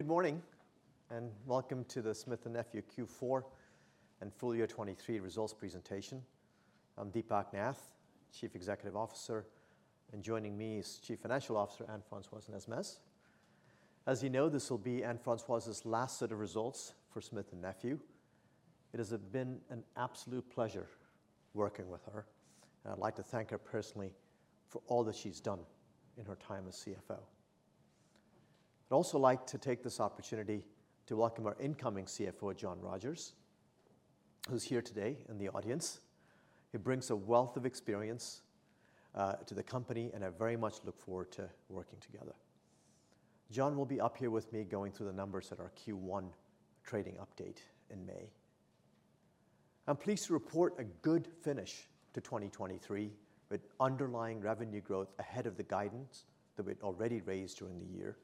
Good morning, and welcome to the Smith+Nephew Q4 and Full Year 2023 Results Presentation. I'm Deepak Nath, Chief Executive Officer, and joining me is Chief Financial Officer, Anne-Françoise Nesmes. As you know, this will be Anne-Françoise's last set of results for Smith+Nephew. It has been an absolute pleasure working with her, and I'd like to thank her personally for all that she's done in her time as CFO. I'd also like to take this opportunity to welcome our incoming CFO, John Rogers, who's here today in the audience. He brings a wealth of experience to the company, and I very much look forward to working together. John will be up here with me going through the numbers at our Q1 trading update in May. I'm pleased to report a good finish to 2023, with underlying revenue growth ahead of the guidance that we'd already raised during the year,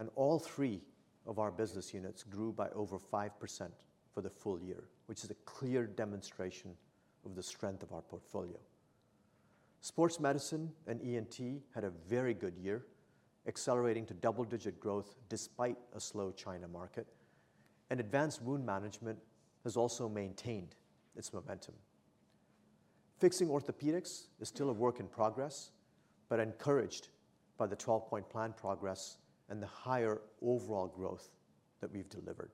and all three of our business units grew by over 5% for the full year, which is a clear demonstration of the strength of our portfolio. Sports Medicine and ENT had a very good year, accelerating to double-digit growth despite a slow China market, and Advanced Wound Management has also maintained its momentum. Fixing Orthopaedics is still a work in progress, but encouraged by the 12-point plan progress and the higher overall growth that we've delivered.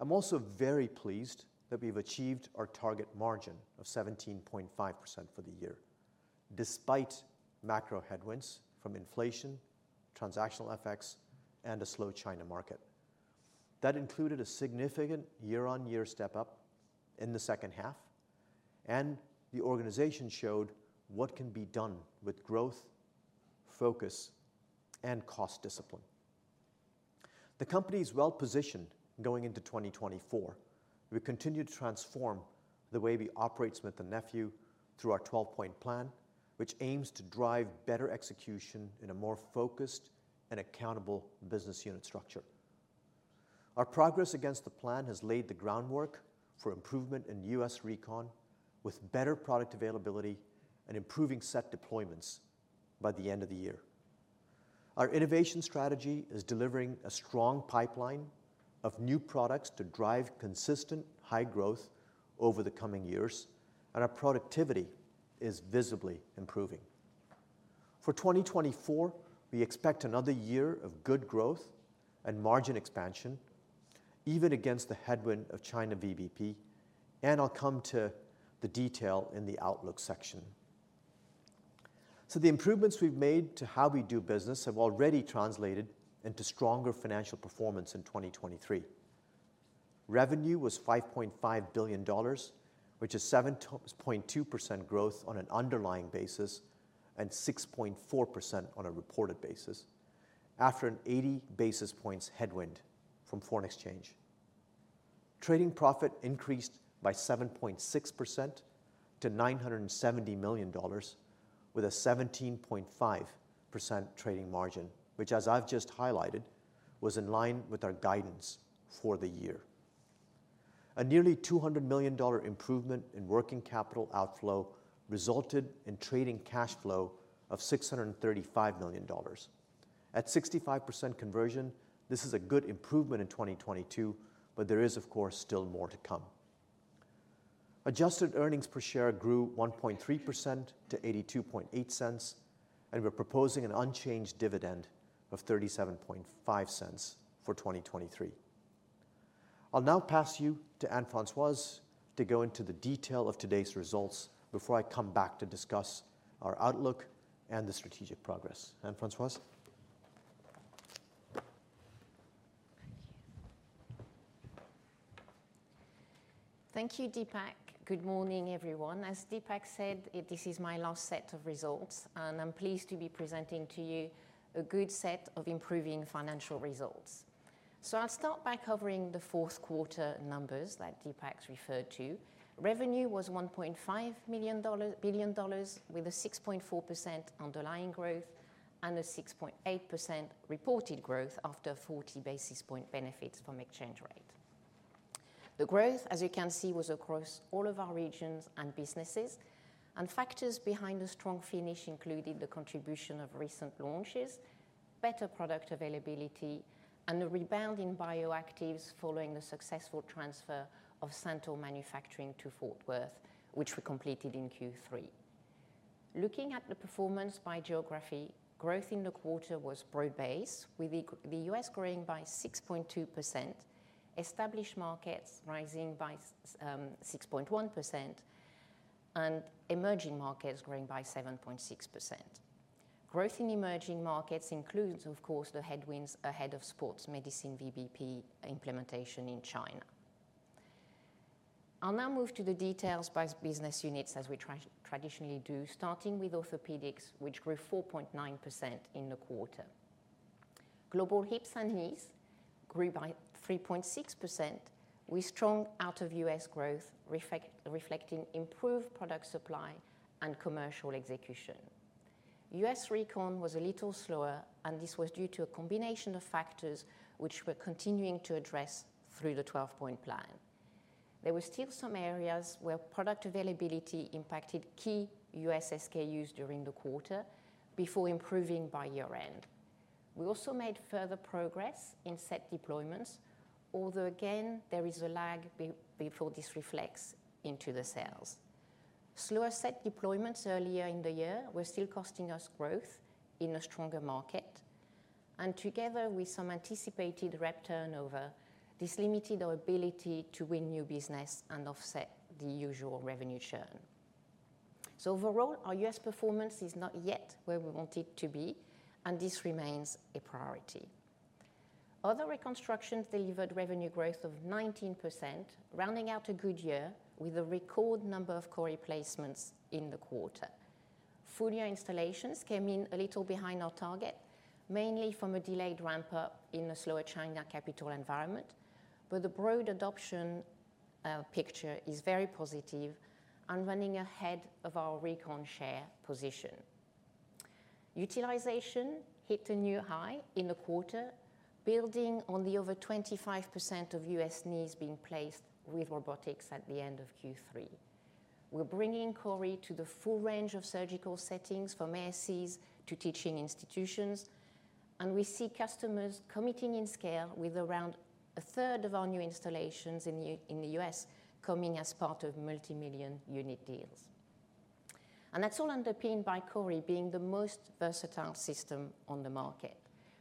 I'm also very pleased that we've achieved our target margin of 17.5% for the year, despite macro headwinds from inflation, transactional effects, and a slow China market. That included a significant year-on-year step up in the second half, and the organization showed what can be done with growth, focus, and cost discipline. The company is well positioned going into 2024. We continue to transform the way we operate Smith+Nephew through our 12-point plan, which aims to drive better execution in a more focused and accountable business unit structure. Our progress against the plan has laid the groundwork for improvement in U.S. Recon, with better product availability and improving set deployments by the end of the year. Our innovation strategy is delivering a strong pipeline of new products to drive consistent high growth over the coming years, and our productivity is visibly improving. For 2024, we expect another year of good growth and margin expansion, even against the headwind of China VBP, and I'll come to the detail in the outlook section. So the improvements we've made to how we do business have already translated into stronger financial performance in 2023. Revenue was $5.5 billion, which is 7.2% growth on an underlying basis and 6.4% on a reported basis, after an 80 basis points headwind from foreign exchange. Trading profit increased by 7.6% to $970 million, with a 17.5% trading margin, which, as I've just highlighted, was in line with our guidance for the year. A nearly $200 million improvement in working capital outflow resulted in trading cash flow of $635 million. At 65% conversion, this is a good improvement in 2022, but there is, of course, still more to come. Adjusted earnings per share grew 1.3% to $0.828, and we're proposing an unchanged dividend of $0.375 for 2023. I'll now pass you to Anne-Françoise to go into the detail of today's results before I come back to discuss our outlook and the strategic progress. Anne-Françoise? Thank you, Deepak. Good morning, everyone. As Deepak said, this is my last set of results, and I'm pleased to be presenting to you a good set of improving financial results. I'll start by covering the fourth quarter numbers that Deepak's referred to. Revenue was $1.5 billion, with a 6.4% underlying growth and a 6.8% reported growth after 40 basis point benefits from exchange rate. The growth, as you can see, was across all of our regions and businesses, and factors behind the strong finish included the contribution of recent launches, better product availability, and a rebound in Bioactives following the successful transfer of SANTYL manufacturing to Fort Worth, which we completed in Q3. Looking at the performance by geography, growth in the quarter was broad-based, with the U.S. growing by 6.2%, established markets rising by 6.1%, and emerging markets growing by 7.6%. Growth in emerging markets includes, of course, the headwinds ahead of Sports Medicine VBP implementation in China. I'll now move to the details by business units, as we traditionally do, starting with Orthopaedics, which grew 4.9% in the quarter. Global Hips and Knees grew by 3.6%, with strong out-of-U.S. growth, reflecting improved product supply and commercial execution. U.S. Recon was a little slower, and this was due to a combination of factors which we're continuing to address through the 12-point plan.... There were still some areas where product availability impacted key U.S. SKUs during the quarter, before improving by year-end. We also made further progress in set deployments, although again, there is a lag before this reflects into the sales. Slower set deployments earlier in the year were still costing us growth in a stronger market, and together with some anticipated rep turnover, this limited our ability to win new business and offset the usual revenue churn. So overall, our U.S. performance is not yet where we want it to be, and this remains a priority. Other Reconstruction delivered revenue growth of 19%, rounding out a good year with a record number of CORI placements in the quarter. Full-year installations came in a little behind our target, mainly from a delayed ramp-up in a slower China capital environment. But the broad adoption picture is very positive and running ahead of our recon share position. Utilization hit a new high in the quarter, building on the over 25% of US knees being placed with robotics at the end of Q3. We're bringing CORI to the full range of surgical settings, from ASCs to teaching institutions, and we see customers committing in scale with around a third of our new installations in the U.S. coming as part of multi-million unit deals. And that's all underpinned by CORI being the most versatile system on the market,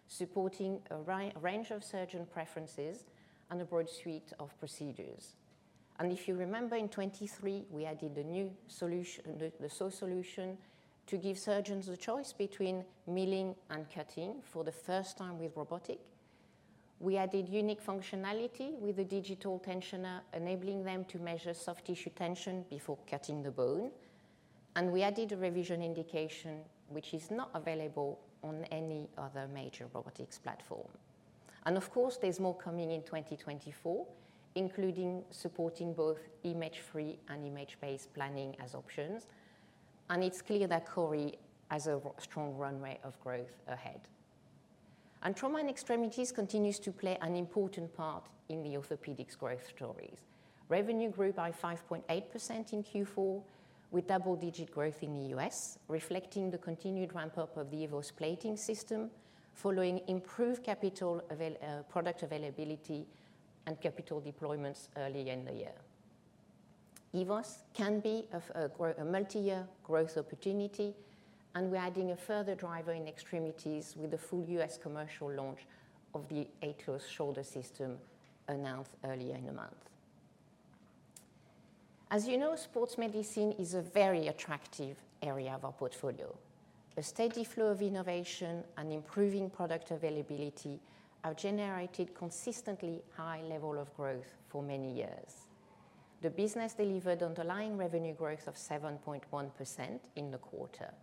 supporting a range of surgeon preferences and a broad suite of procedures. And if you remember, in 2023, we added a new solution, the saw solution, to give surgeons a choice between milling and cutting for the first time with robotic. We added unique functionality with a digital tensioner, enabling them to measure soft tissue tension before cutting the bone. We added a revision indication, which is not available on any other major robotics platform. Of course, there's more coming in 2024, including supporting both image-free and image-based planning as options. It's clear that CORI has a strong runway of growth ahead. Trauma and Extremities continues to play an important part in the Orthopaedics growth stories. Revenue grew by 5.8% in Q4, with double-digit growth in the U.S., reflecting the continued ramp-up of the EVOS Plating System, following improved product availability and capital deployments earlier in the year. EVOS can be a multi-year growth opportunity, and we're adding a further driver in Extremities with the full U.S. commercial launch of the AETOS Shoulder System announced earlier in the month. As you know, Sports Medicine is a very attractive area of our portfolio. A steady flow of innovation and improving product availability have generated consistently high level of growth for many years. The business delivered underlying revenue growth of 7.1% in the quarter.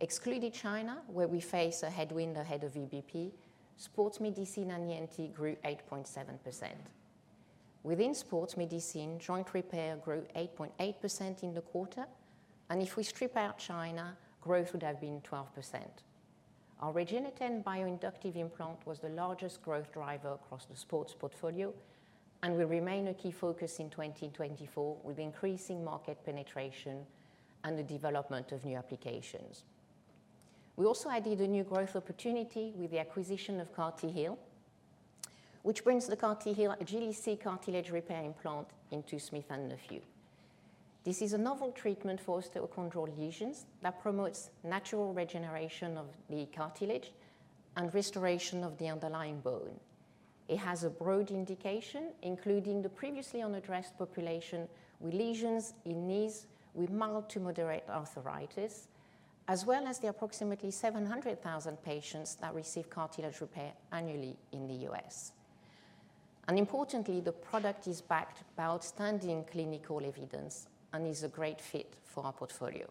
Excluding China, where we face a headwind ahead of VBP, Sports Medicine and ENT grew 8.7%. Within Sports Medicine, Joint Repair grew 8.8% in the quarter, and if we strip out China, growth would have been 12%. Our REGENETEN bioinductive implant was the largest growth driver across the sports portfolio and will remain a key focus in 2024, with increasing market penetration and the development of new applications. We also added a new growth opportunity with the acquisition of CartiHeal, which brings the CartiHeal Agili-C cartilage repair implant into Smith+Nephew. This is a novel treatment for osteochondral lesions that promotes natural regeneration of the cartilage and restoration of the underlying bone. It has a broad indication, including the previously unaddressed population with lesions in knees, with mild to moderate arthritis, as well as the approximately 700,000 patients that receive cartilage repair annually in the U.S. And importantly, the product is backed by outstanding clinical evidence and is a great fit for our portfolio.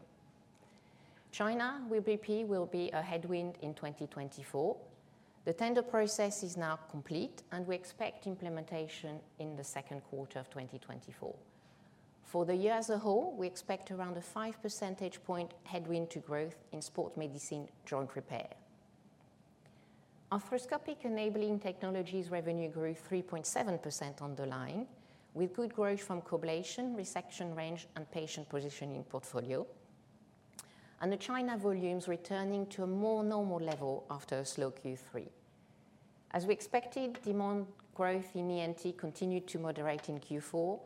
China, VBP will be a headwind in 2024. The tender process is now complete, and we expect implementation in the second quarter of 2024. For the year as a whole, we expect around a five percentage point headwind to growth in Sports Medicine Joint Repair. Arthroscopic Enabling Technologies revenue grew 3.7% underlying, with good growth from COBLATION, resection range, and patient positioning portfolio, and the China volumes returning to a more normal level after a slow Q3. As we expected, demand growth in ENT continued to moderate in Q4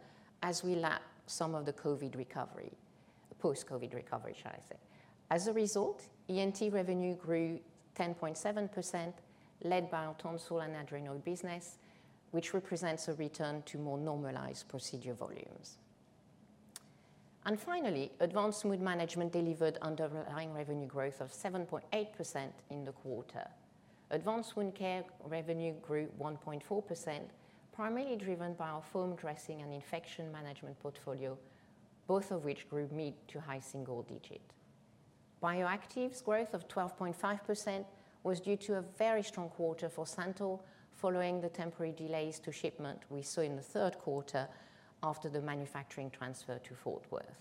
as we lap some of the COVID recovery, post-COVID recovery, should I say. As a result, ENT revenue grew 10.7%, led by our tonsil and adenoid business, which represents a return to more normalized procedure volumes. And finally, Advanced Wound Management delivered underlying revenue growth of 7.8% in the quarter. Advanced Wound Care revenue grew 1.4%, primarily driven by our foam dressing and infection management portfolio, both of which grew mid to high single digit. Bioactives growth of 12.5% was due to a very strong quarter for SANTYL, following the temporary delays to shipment we saw in the third quarter after the manufacturing transfer to Fort Worth.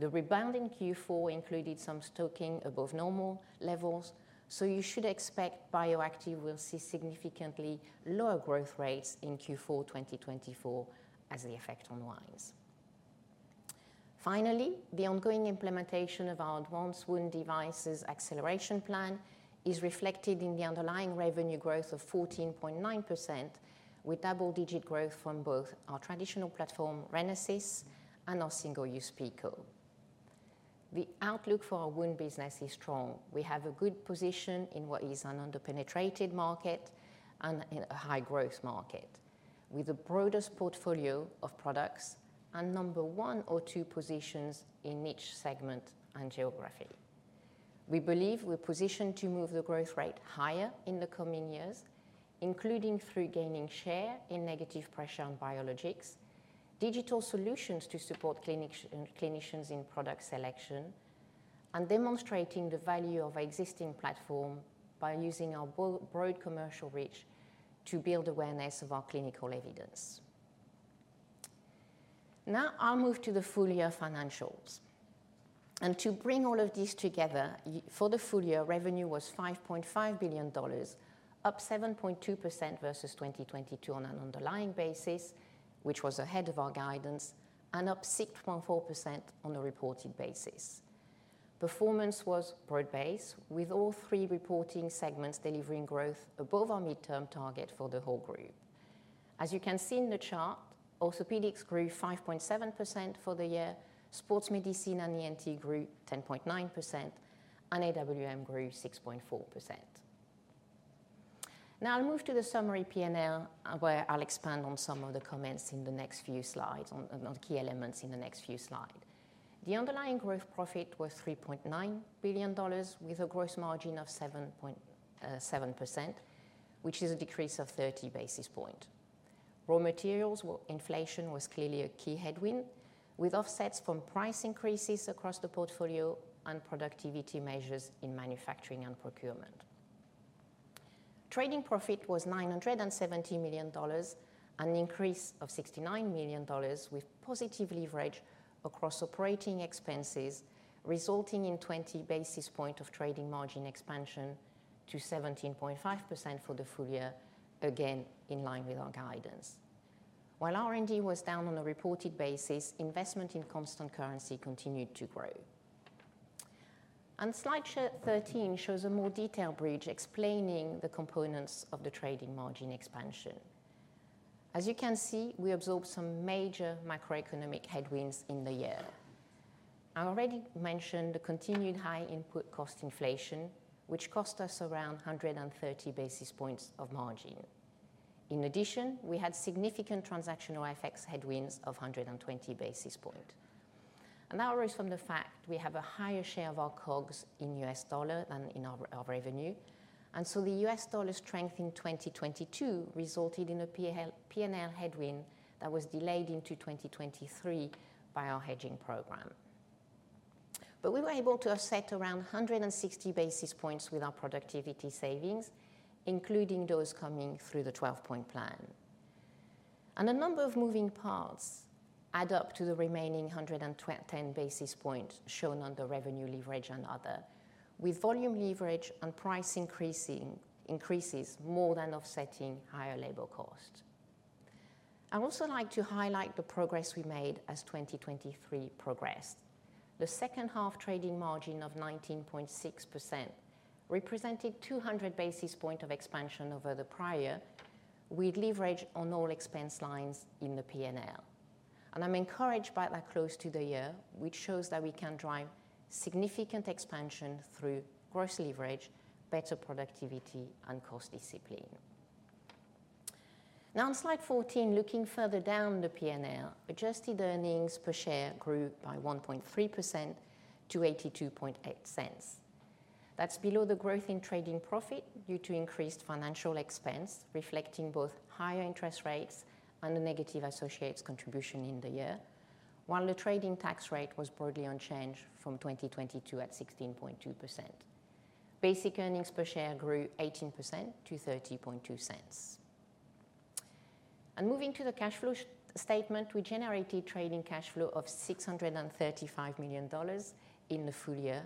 The rebound in Q4 included some stocking above normal levels, so you should expect Bioactives will see significantly lower growth rates in Q4 2024 as the effect unwinds. Finally, the ongoing implementation of our Advanced Wound Devices acceleration plan is reflected in the underlying revenue growth of 14.9%, with double-digit growth from both our traditional platform, RENASYS, and our single-use PICO. The outlook for our wound business is strong. We have a good position in what is an under-penetrated market and in a high-growth market, with the broadest portfolio of products and number one or two positions in each segment and geography. We believe we're positioned to move the growth rate higher in the coming years, including through gaining share in negative pressure on biologics, digital solutions to support clinicians in product selection, and demonstrating the value of our existing platform by using our broad, broad commercial reach to build awareness of our clinical evidence. Now I'll move to the full-year financials. To bring all of this together, for the full year, revenue was $5.5 billion, up 7.2% versus 2022 on an underlying basis, which was ahead of our guidance, and up 6.4% on a reported basis. Performance was broad-based, with all three reporting segments delivering growth above our midterm target for the whole group. As you can see in the chart, Orthopaedics grew 5.7% for the year, Sports Medicine and ENT grew 10.9%, and AWM grew 6.4%. Now I'll move to the summary P&L, where I'll expand on some of the comments in the next few slides, on key elements in the next few slides. The underlying gross profit was $3.9 billion, with a gross margin of 7 point, 7%, which is a decrease of 30 basis points. Raw materials inflation was clearly a key headwind, with offsets from price increases across the portfolio and productivity measures in manufacturing and procurement. Trading profit was $970 million, an increase of $69 million, with positive leverage across operating expenses, resulting in 20 basis points of trading margin expansion to 17.5% for the full year, again, in line with our guidance. While R&D was down on a reported basis, investment in constant currency continued to grow. Slide 13 shows a more detailed bridge explaining the components of the trading margin expansion. As you can see, we absorbed some major macroeconomic headwinds in the year. I already mentioned the continued high input cost inflation, which cost us around 130 basis points of margin. In addition, we had significant transactional FX headwinds of 120 basis points. That arose from the fact we have a higher share of our COGS in U.S. dollar than in our revenue, and so the U.S. dollar strength in 2022 resulted in a P&L headwind that was delayed into 2023 by our hedging program. We were able to offset around 160 basis points with our productivity savings, including those coming through the 12-point plan. A number of moving parts add up to the remaining 110 basis points shown on the revenue leverage and other, with volume leverage and price increases more than offsetting higher labor cost. I'd also like to highlight the progress we made as 2023 progressed. The second half trading margin of 19.6% represented 200 basis point of expansion over the prior, with leverage on all expense lines in the P&L. I'm encouraged by that close to the year, which shows that we can drive significant expansion through gross leverage, better productivity, and cost discipline. Now, on slide 14, looking further down the P&L, adjusted earnings per share grew by 1.3% to $0.828. That's below the growth in trading profit due to increased financial expense, reflecting both higher interest rates and a negative associates contribution in the year, while the trading tax rate was broadly unchanged from 2022 at 16.2%. Basic earnings per share grew 18% to $0.302. Moving to the cash flow statement, we generated trading cash flow of $635 million in the full year,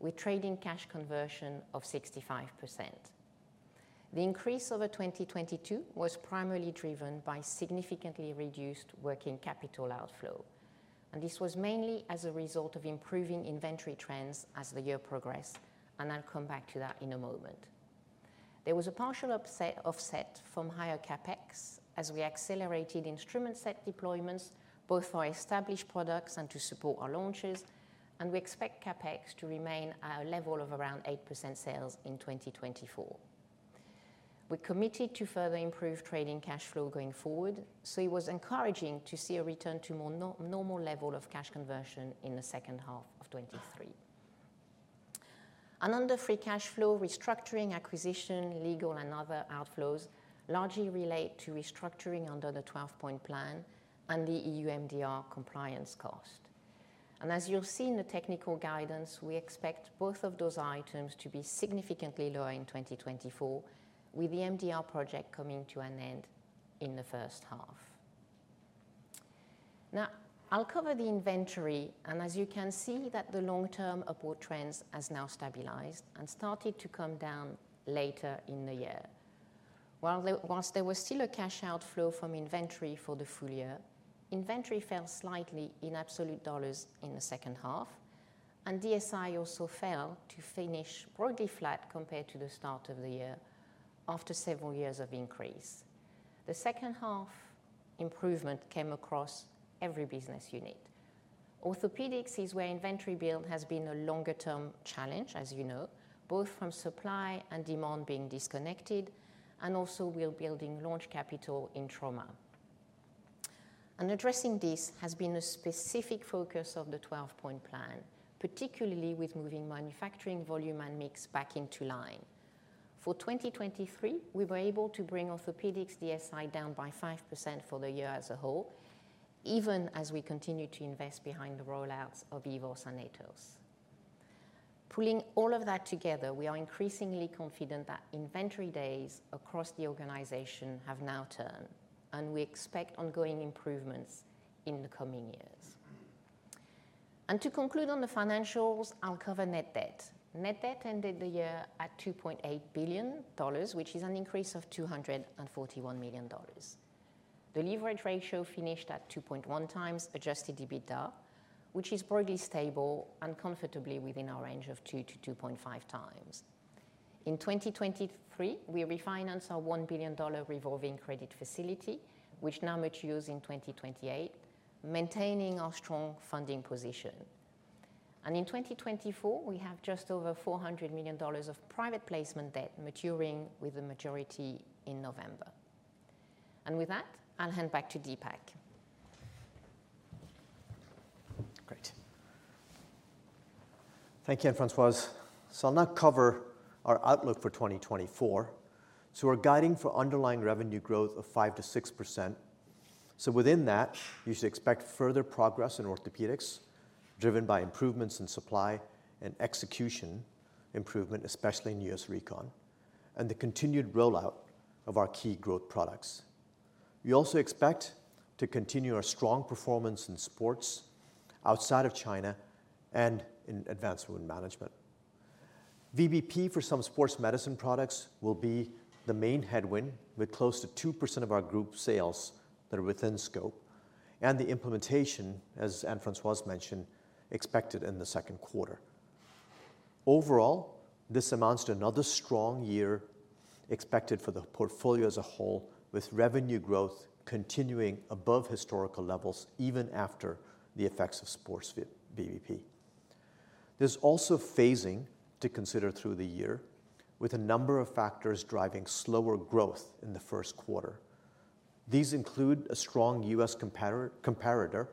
with trading cash conversion of 65%. The increase over 2022 was primarily driven by significantly reduced working capital outflow, and this was mainly as a result of improving inventory trends as the year progressed, and I'll come back to that in a moment. There was a partial offset from higher CapEx, as we accelerated instrument set deployments, both for our established products and to support our launches, and we expect CapEx to remain at a level of around 8% sales in 2024. We're committed to further improve trading cash flow going forward, so it was encouraging to see a return to more normal level of cash conversion in the second half of 2023. Under free cash flow, restructuring, acquisition, legal, and other outflows largely relate to restructuring under the 12-point plan and the EU MDR compliance cost. As you'll see in the technical guidance, we expect both of those items to be significantly lower in 2024, with the MDR project coming to an end in the first half. Now, I'll cover the inventory, and as you can see that the long-term upward trends has now stabilized and started to come down later in the year. Whilst there was still a cash outflow from inventory for the full year, inventory fell slightly in absolute dollars in the second half, and DSI also fell to finish broadly flat compared to the start of the year after several years of increase. The second half improvement came across every business unit. Orthopaedics is where inventory build has been a longer-term challenge, as you know, both from supply and demand being disconnected, and also we're building launch capital in trauma. Addressing this has been a specific focus of the 12-point plan, particularly with moving manufacturing volume and mix back into line. For 2023, we were able to bring Orthopaedics DSI down by 5% for the year as a whole, even as we continue to invest behind the rollouts of EVOS and AETOS. Pulling all of that together, we are increasingly confident that inventory days across the organization have now turned, and we expect ongoing improvements in the coming years. To conclude on the financials, I'll cover net debt. Net debt ended the year at $2.8 billion, which is an increase of $241 million. The leverage ratio finished at 2.1x adjusted EBITDA, which is broadly stable and comfortably within our range of 2-2.5x. In 2023, we refinanced our $1 billion revolving credit facility, which now matures in 2028, maintaining our strong funding position. And in 2024, we have just over $400 million of private placement debt maturing, with the majority in November. And with that, I'll hand back to Deepak. Great. Thank you, Anne-Françoise. So I'll now cover our outlook for 2024. So we're guiding for underlying revenue growth of 5%-6%. So within that, you should expect further progress in Orthopaedics, driven by improvements in supply and execution improvement, especially in U.S. Recon, and the continued rollout of our key growth products. We also expect to continue our strong performance in sports outside of China and in advanced wound management. VBP for some sports medicine products will be the main headwind, with close to 2% of our group sales that are within scope, and the implementation, as Anne-Françoise mentioned, expected in the second quarter. Overall, this amounts to another strong year expected for the portfolio as a whole, with revenue growth continuing above historical levels even after the effects of sports VBP. There's also phasing to consider through the year, with a number of factors driving slower growth in the first quarter. These include a strong U.S. comparator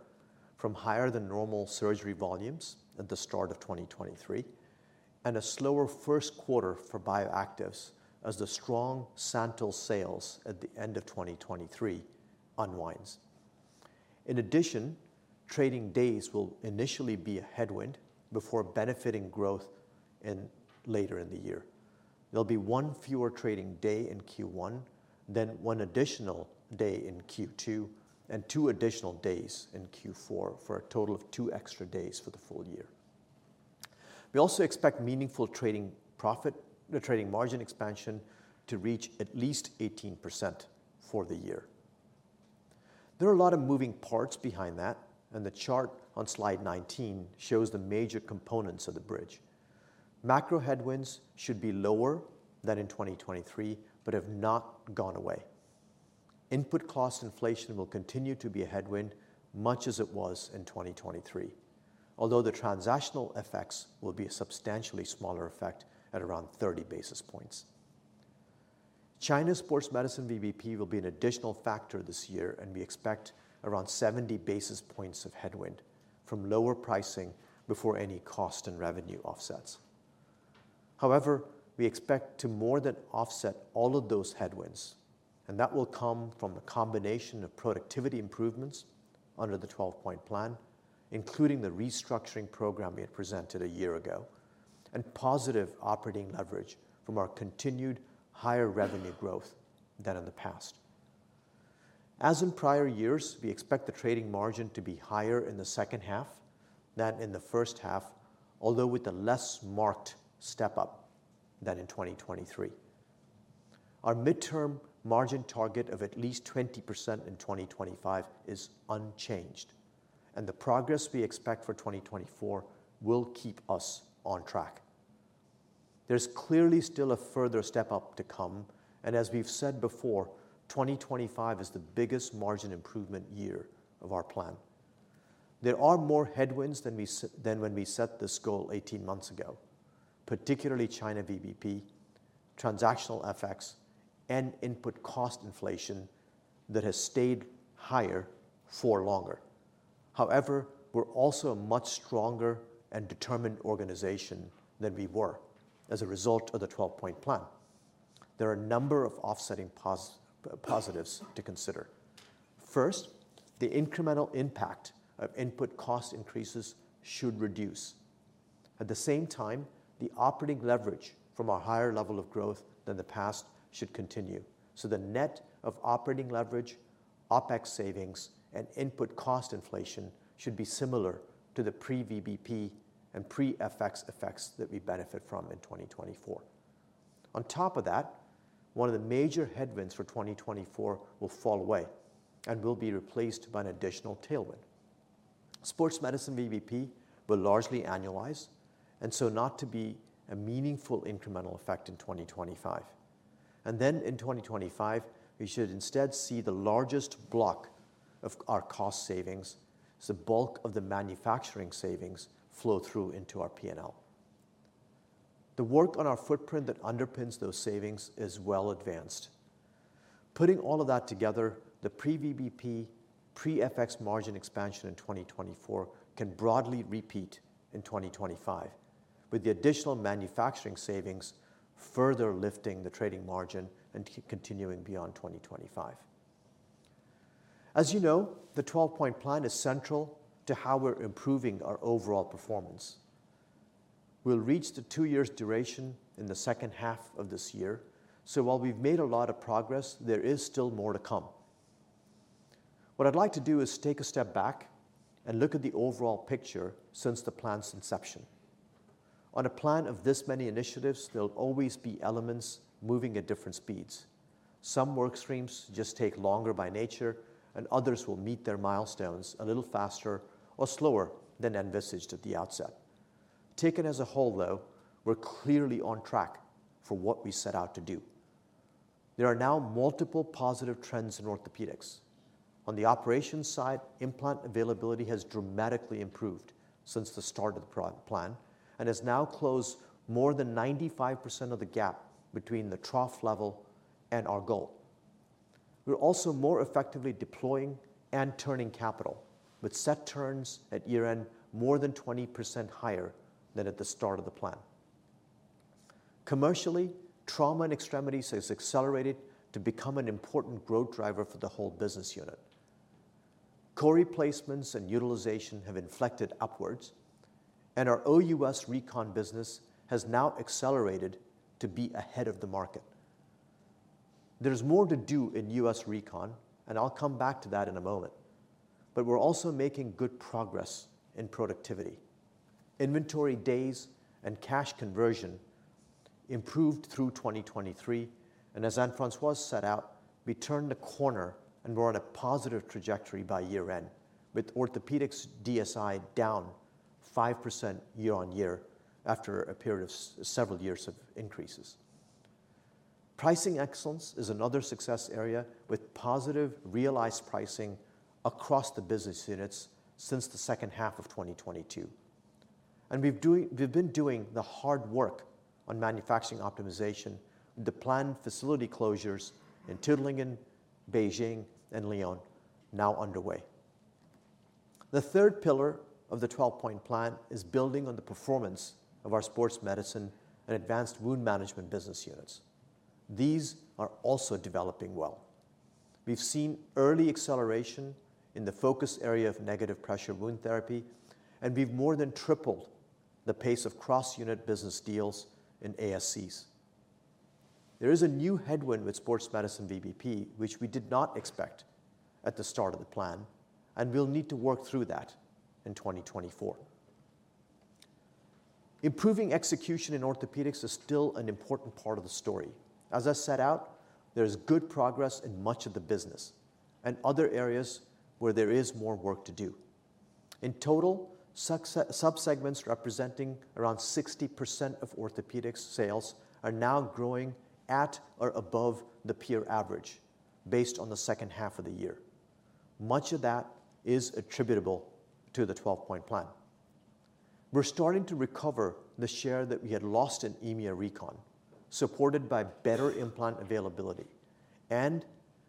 from higher-than-normal surgery volumes at the start of 2023, and a slower first quarter for Bioactives as the strong SANTYL sales at the end of 2023 unwinds. In addition, trading days will initially be a headwind before benefiting growth in later in the year. There'll be one fewer trading day in Q1, then one additional day in Q2, and two additional days in Q4, for a total of two extra days for the full year. We also expect meaningful trading profit, trading margin expansion to reach at least 18% for the year. There are a lot of moving parts behind that, and the chart on slide 19 shows the major components of the bridge. Macro headwinds should be lower than in 2023, but have not gone away. Input cost inflation will continue to be a headwind, much as it was in 2023, although the transactional effects will be a substantially smaller effect at around 30 basis points. China sports medicine VBP will be an additional factor this year, and we expect around 70 basis points of headwind from lower pricing before any cost and revenue offsets. However, we expect to more than offset all of those headwinds, and that will come from a combination of productivity improvements under the 12-point plan, including the restructuring program we had presented a year ago, and positive operating leverage from our continued higher revenue growth than in the past. As in prior years, we expect the trading margin to be higher in the second half than in the first half, although with a less marked step-up than in 2023. Our midterm margin target of at least 20% in 2025 is unchanged, and the progress we expect for 2024 will keep us on track. There's clearly still a further step up to come, and as we've said before, 2025 is the biggest margin improvement year of our plan. There are more headwinds than we than when we set this goal 18 months ago, particularly China VBP, transactional effects, and input cost inflation that has stayed higher for longer. However, we're also a much stronger and determined organization than we were as a result of the 12-point plan. There are a number of offsetting positives to consider... First, the incremental impact of input cost increases should reduce. At the same time, the operating leverage from a higher level of growth than the past should continue, so the net of operating leverage, OpEx savings, and input cost inflation should be similar to the pre-VBP and pre-FX effects that we benefit from in 2024. On top of that, one of the major headwinds for 2024 will fall away and will be replaced by an additional tailwind. Sports Medicine VBP will largely annualize, and so not to be a meaningful incremental effect in 2025. And then in 2025, we should instead see the largest block of our cost savings, so the bulk of the manufacturing savings, flow through into our P&L. The work on our footprint that underpins those savings is well advanced. Putting all of that together, the pre-VBP, pre-FX margin expansion in 2024 can broadly repeat in 2025, with the additional manufacturing savings further lifting the trading margin and continuing beyond 2025. As you know, the 12-point plan is central to how we're improving our overall performance. We'll reach the two years' duration in the second half of this year, so while we've made a lot of progress, there is still more to come. What I'd like to do is take a step back and look at the overall picture since the plan's inception. On a plan of this many initiatives, there'll always be elements moving at different speeds. Some work streams just take longer by nature, and others will meet their milestones a little faster or slower than envisaged at the outset. Taken as a whole, though, we're clearly on track for what we set out to do. There are now multiple positive trends in Orthopaedics. On the operations side, implant availability has dramatically improved since the start of the 12-point plan and has now closed more than 95% of the gap between the trough level and our goal. We're also more effectively deploying and turning capital, with asset turns at year-end more than 20% higher than at the start of the plan. Commercially, trauma and extremities has accelerated to become an important growth driver for the whole business unit. Core replacements and utilization have inflected upwards, and our OUS Recon business has now accelerated to be ahead of the market. There's more to do in US Recon, and I'll come back to that in a moment, but we're also making good progress in productivity. Inventory days and cash conversion improved through 2023, and as Anne-Françoise set out, we turned a corner and were on a positive trajectory by year-end, with Orthopaedics DSI down 5% year-on-year after a period of several years of increases. Pricing excellence is another success area, with positive realized pricing across the business units since the second half of 2022. And we've been doing the hard work on manufacturing optimization, with the planned facility closures in Tuttlingen, Beijing, and Lyon now underway. The third pillar of the 12-point plan is building on the performance of our Sports Medicine and Advanced Wound Management business units. These are also developing well. We've seen early acceleration in the focus area of negative pressure wound therapy, and we've more than tripled the pace of cross-unit business deals in ASCs. There is a new headwind with Sports Medicine VBP, which we did not expect at the start of the plan, and we'll need to work through that in 2024. Improving execution in Orthopaedics is still an important part of the story. As I set out, there is good progress in much of the business and other areas where there is more work to do. In total, subsegments representing around 60% of Orthopaedics sales are now growing at or above the peer average based on the second half of the year. Much of that is attributable to the 12-point plan. We're starting to recover the share that we had lost in EMEA Recon, supported by better implant availability, and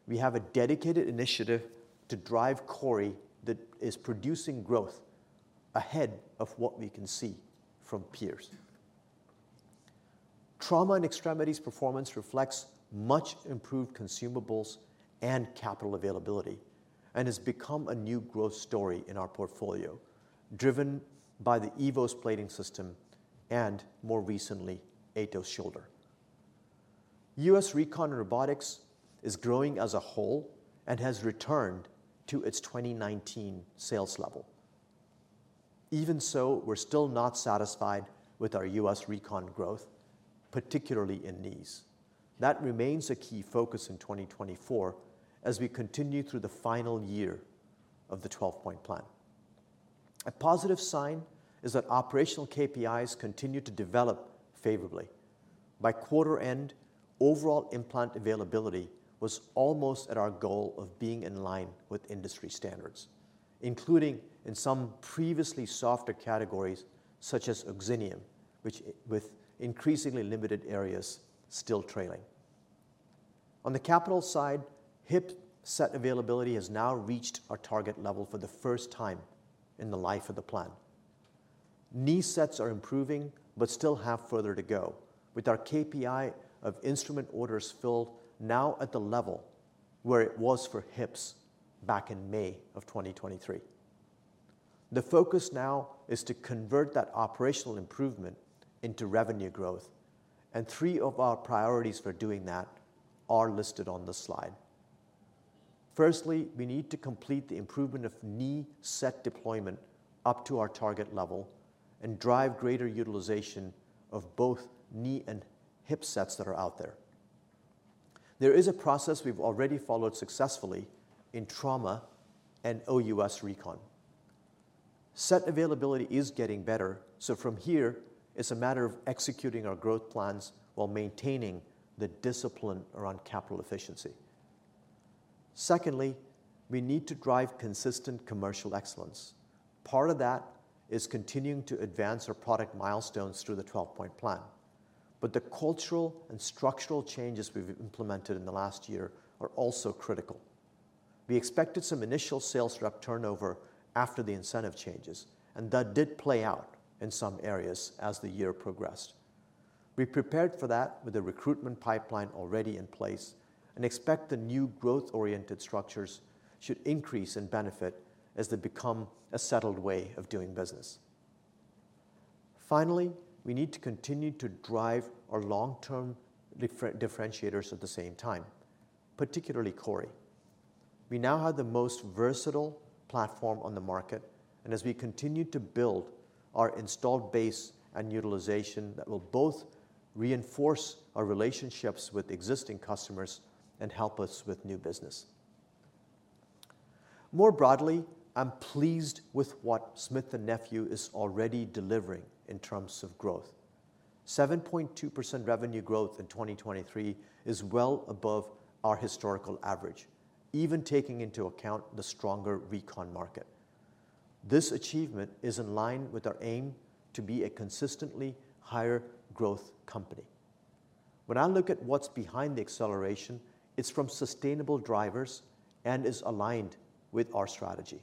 we have a dedicated initiative to drive CORI that is producing growth ahead of what we can see from peers. Trauma and extremities performance reflects much improved consumables and capital availability and has become a new growth story in our portfolio, driven by the EVOS Plating System and, more recently, AETOS shoulder. U.S. Recon and Robotics is growing as a whole and has returned to its 2019 sales level. Even so, we're still not satisfied with our U.S. Recon growth, particularly in knees. That remains a key focus in 2024 as we continue through the final year of the 12-point plan. A positive sign is that operational KPIs continue to develop favorably. By quarter end, overall implant availability was almost at our goal of being in line with industry standards, including in some previously softer categories such as OXINIUM, which... with increasingly limited areas still trailing. On the capital side, hip set availability has now reached our target level for the first time in the life of the plan. Knee sets are improving, but still have further to go, with our KPI of instrument orders filled now at the level where it was for hips back in May 2023. The focus now is to convert that operational improvement into revenue growth, and three of our priorities for doing that are listed on this slide. Firstly, we need to complete the improvement of knee set deployment up to our target level and drive greater utilization of both knee and hip sets that are out there. There is a process we've already followed successfully in trauma and OUS Recon. Set availability is getting better, so from here it's a matter of executing our growth plans while maintaining the discipline around capital efficiency. Secondly, we need to drive consistent commercial excellence. Part of that is continuing to advance our product milestones through the 12-point plan, but the cultural and structural changes we've implemented in the last year are also critical. We expected some initial sales rep turnover after the incentive changes, and that did play out in some areas as the year progressed. We prepared for that with a recruitment pipeline already in place and expect the new growth-oriented structures should increase and benefit as they become a settled way of doing business. Finally, we need to continue to drive our long-term differentiators at the same time, particularly CORI. We now have the most versatile platform on the market, and as we continue to build our installed base and utilization, that will both reinforce our relationships with existing customers and help us with new business. More broadly, I'm pleased with what Smith+Nephew is already delivering in terms of growth. 7.2% revenue growth in 2023 is well above our historical average, even taking into account the stronger Recon market. This achievement is in line with our aim to be a consistently higher growth company. When I look at what's behind the acceleration, it's from sustainable drivers and is aligned with our strategy.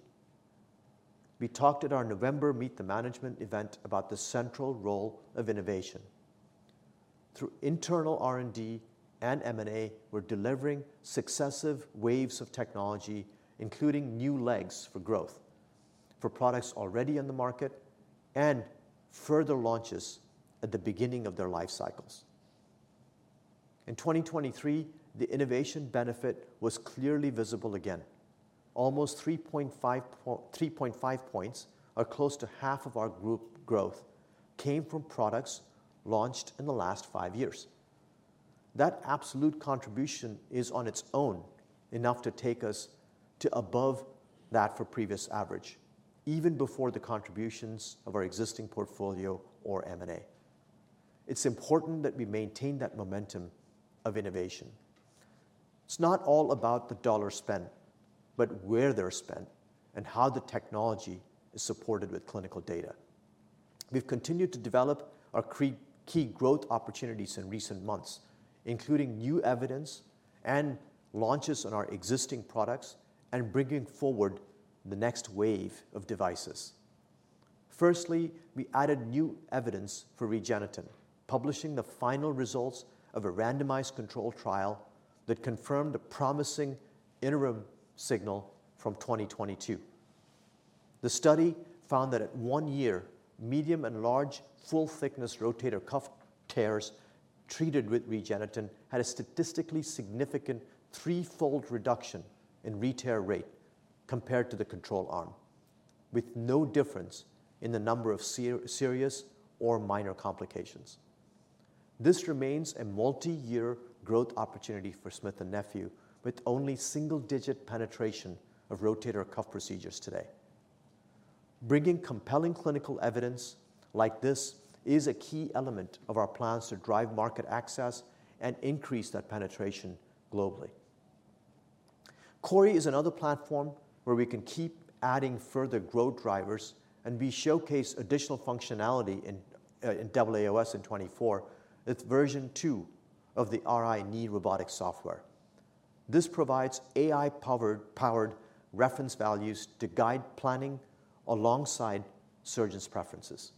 We talked at our November Meet the Management event about the central role of innovation. Through internal R&D and M&A, we're delivering successive waves of technology, including new legs for growth, for products already on the market and further launches at the beginning of their life cycles. In 2023, the innovation benefit was clearly visible again. Almost 3.5 points, or close to half of our group growth, came from products launched in the last 5 years. That absolute contribution is on its own enough to take us to above that for previous average, even before the contributions of our existing portfolio or M&A. It's important that we maintain that momentum of innovation. It's not all about the dollars spent, but where they're spent and how the technology is supported with clinical data. We've continued to develop our key growth opportunities in recent months, including new evidence and launches on our existing products and bringing forward the next wave of devices. Firstly, we added new evidence for REGENETEN, publishing the final results of a randomized controlled trial that confirmed a promising interim signal from 2022. The study found that at one year, medium and large full-thickness rotator cuff tears treated with REGENETEN had a statistically significant threefold reduction in re-tear rate compared to the control arm, with no difference in the number of serious or minor complications. This remains a multi-year growth opportunity for Smith+Nephew, with only single-digit penetration of rotator cuff procedures today. Bringing compelling clinical evidence like this is a key element of our plans to drive market access and increase that penetration globally. CORI is another platform where we can keep adding further growth drivers, and we showcase additional functionality in AAOS in 2024 with version 2 of the RI.KNEE robotic software. This provides AI-powered reference values to guide planning alongside surgeons' preferences.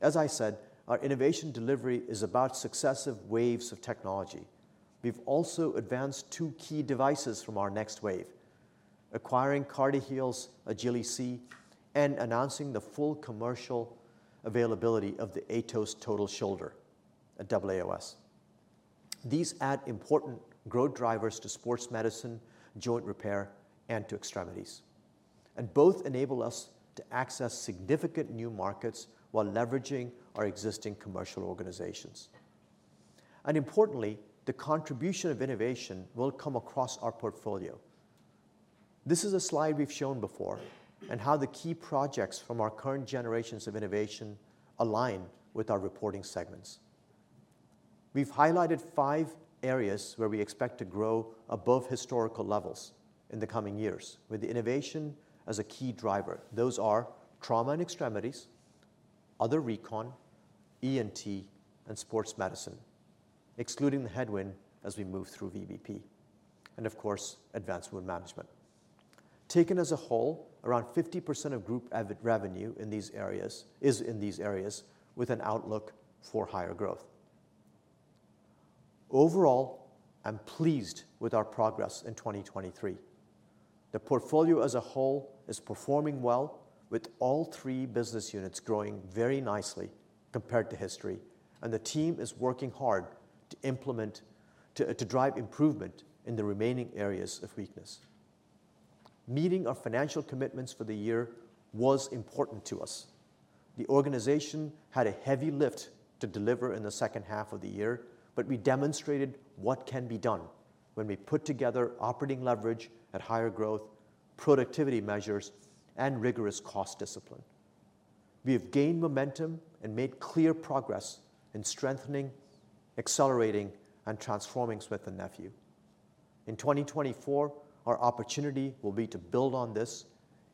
As I said, our innovation delivery is about successive waves of technology. We've also advanced two key devices from our next wave: acquiring CartiHeal's Agili-C and announcing the full commercial availability of the AETOS Total Shoulder at AAOS. These add important growth drivers to Sports Medicine, Joint Repair, and to extremities, and both enable us to access significant new markets while leveraging our existing commercial organizations. And importantly, the contribution of innovation will come across our portfolio. This is a slide we've shown before, and how the key projects from our current generations of innovation align with our reporting segments. We've highlighted five areas where we expect to grow above historical levels in the coming years, with innovation as a key driver. Those are trauma and extremities, Other Recon, ENT, and Sports Medicine, excluding the headwind as we move through VBP, and of course, Advanced Wound Management. Taken as a whole, around 50% of group AWD revenue in these areas is in these areas, with an outlook for higher growth. Overall, I'm pleased with our progress in 2023. The portfolio as a whole is performing well, with all three business units growing very nicely compared to history, and the team is working hard to implement to drive improvement in the remaining areas of weakness. Meeting our financial commitments for the year was important to us. The organization had a heavy lift to deliver in the second half of the year, but we demonstrated what can be done when we put together operating leverage at higher growth, productivity measures, and rigorous cost discipline. We have gained momentum and made clear progress in strengthening, accelerating, and transforming Smith+Nephew. In 2024, our opportunity will be to build on this,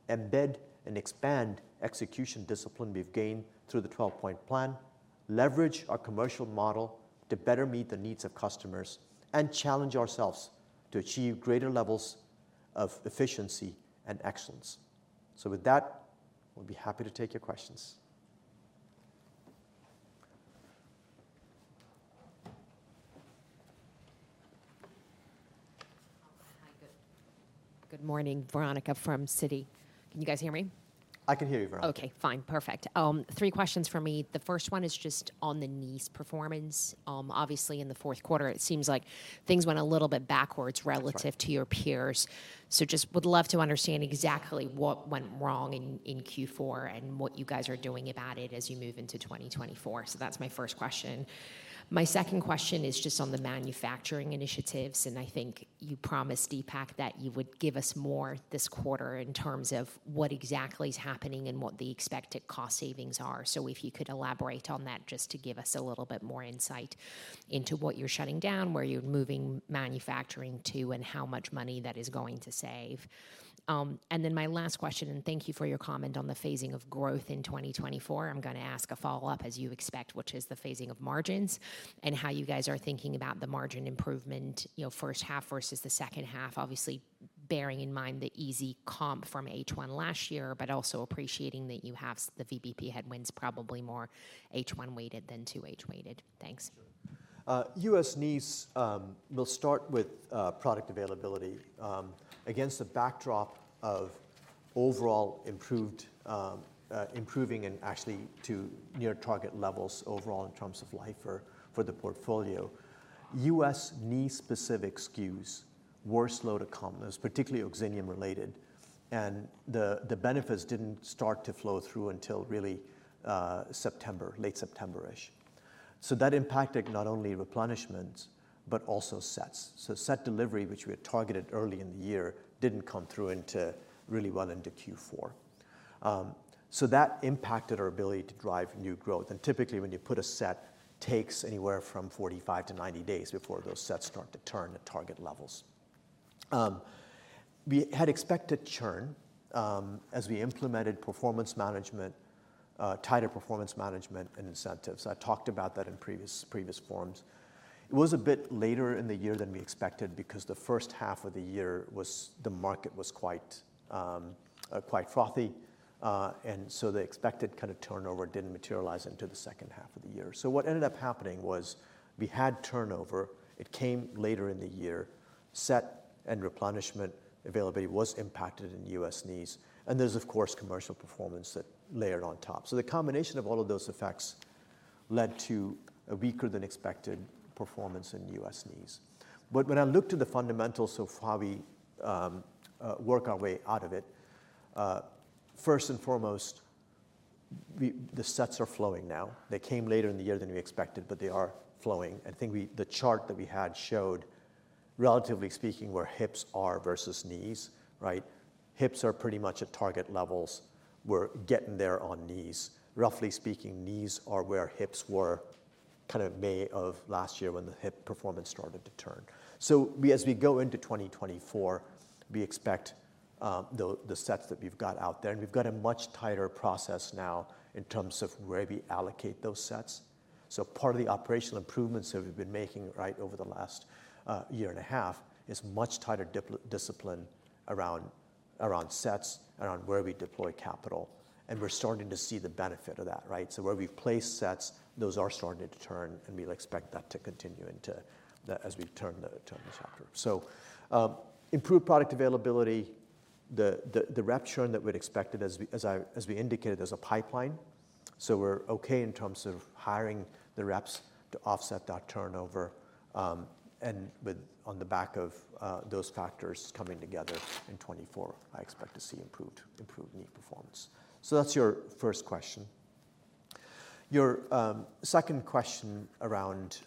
embed and expand execution discipline we've gained through the 12-point plan, leverage our commercial model to better meet the needs of customers, and challenge ourselves to achieve greater levels of efficiency and excellence. So with that, we'll be happy to take your questions. Hi, good, good morning. Veronika from Citi. Can you guys hear me? I can hear you, Veronika. Okay, fine. Perfect. Three questions for me. The first one is just on the knees performance. Obviously, in the fourth quarter it seems like things went a little bit backwards- That's right. -relative to your peers. So just would love to understand exactly what went wrong in Q4, and what you guys are doing about it as you move into 2024. So that's my first question. My second question is just on the manufacturing initiatives, and I think you promised, Deepak, that you would give us more this quarter in terms of what exactly is happening and what the expected cost savings are. So if you could elaborate on that, just to give us a little bit more insight into what you're shutting down, where you're moving manufacturing to, and how much money that is going to save. And then my last question, and thank you for your comment on the phasing of growth in 2024. I'm gonna ask a follow-up, as you expect, which is the phasing of margins and how you guys are thinking about the margin improvement, you know, first half versus the second half. Obviously, bearing in mind the easy comp from H1 last year, but also appreciating that you have the VBP headwinds, probably more H1 weighted than 2H weighted. Thanks. US knees, we'll start with product availability. Against a backdrop of overall improved, improving and actually to near target levels overall in terms of life for the portfolio. US knee-specific SKUs were slow to come, particularly OXINIUM-related, and the benefits didn't start to flow through until really September, late September-ish. So that impacted not only replenishments, but also sets. So set delivery, which we had targeted early in the year, didn't come through until really well into Q4. So that impacted our ability to drive new growth, and typically, when you put a set, takes anywhere from 45-90 days before those sets start to turn at target levels. We had expected churn, as we implemented performance management, tighter performance management and incentives. I talked about that in previous forums. It was a bit later in the year than we expected because the first half of the year was... the market was quite, quite frothy. And so the expected kind of turnover didn't materialize until the second half of the year. So what ended up happening was we had turnover. It came later in the year. Sets and replenishment availability was impacted in US knees, and there's, of course, commercial performance that layered on top. So the combination of all of those effects led to a weaker-than-expected performance in US knees. But when I look to the fundamentals of how we work our way out of it, first and foremost, the sets are flowing now. They came later in the year than we expected, but they are flowing. I think we, the chart that we had showed, relatively speaking, where hips are versus knees, right? Hips are pretty much at target levels. We're getting there on knees. Roughly speaking, knees are where hips were kind of May of last year when the hip performance started to turn. So we, as we go into 2024, we expect, the sets that we've got out there, and we've got a much tighter process now in terms of where we allocate those sets. So part of the operational improvements that we've been making, right, over the last, year and a half, is much tighter discipline around sets, around where we deploy capital, and we're starting to see the benefit of that, right? So where we've placed sets, those are starting to turn, and we'll expect that to continue into the, as we turn the chapter. So, improved product availability, the rep churn that we'd expected as we indicated, there's a pipeline. So we're okay in terms of hiring the reps to offset that turnover, and with, on the back of, those factors coming together in 2024, I expect to see improved, improved knee performance. So that's your first question. Your second question around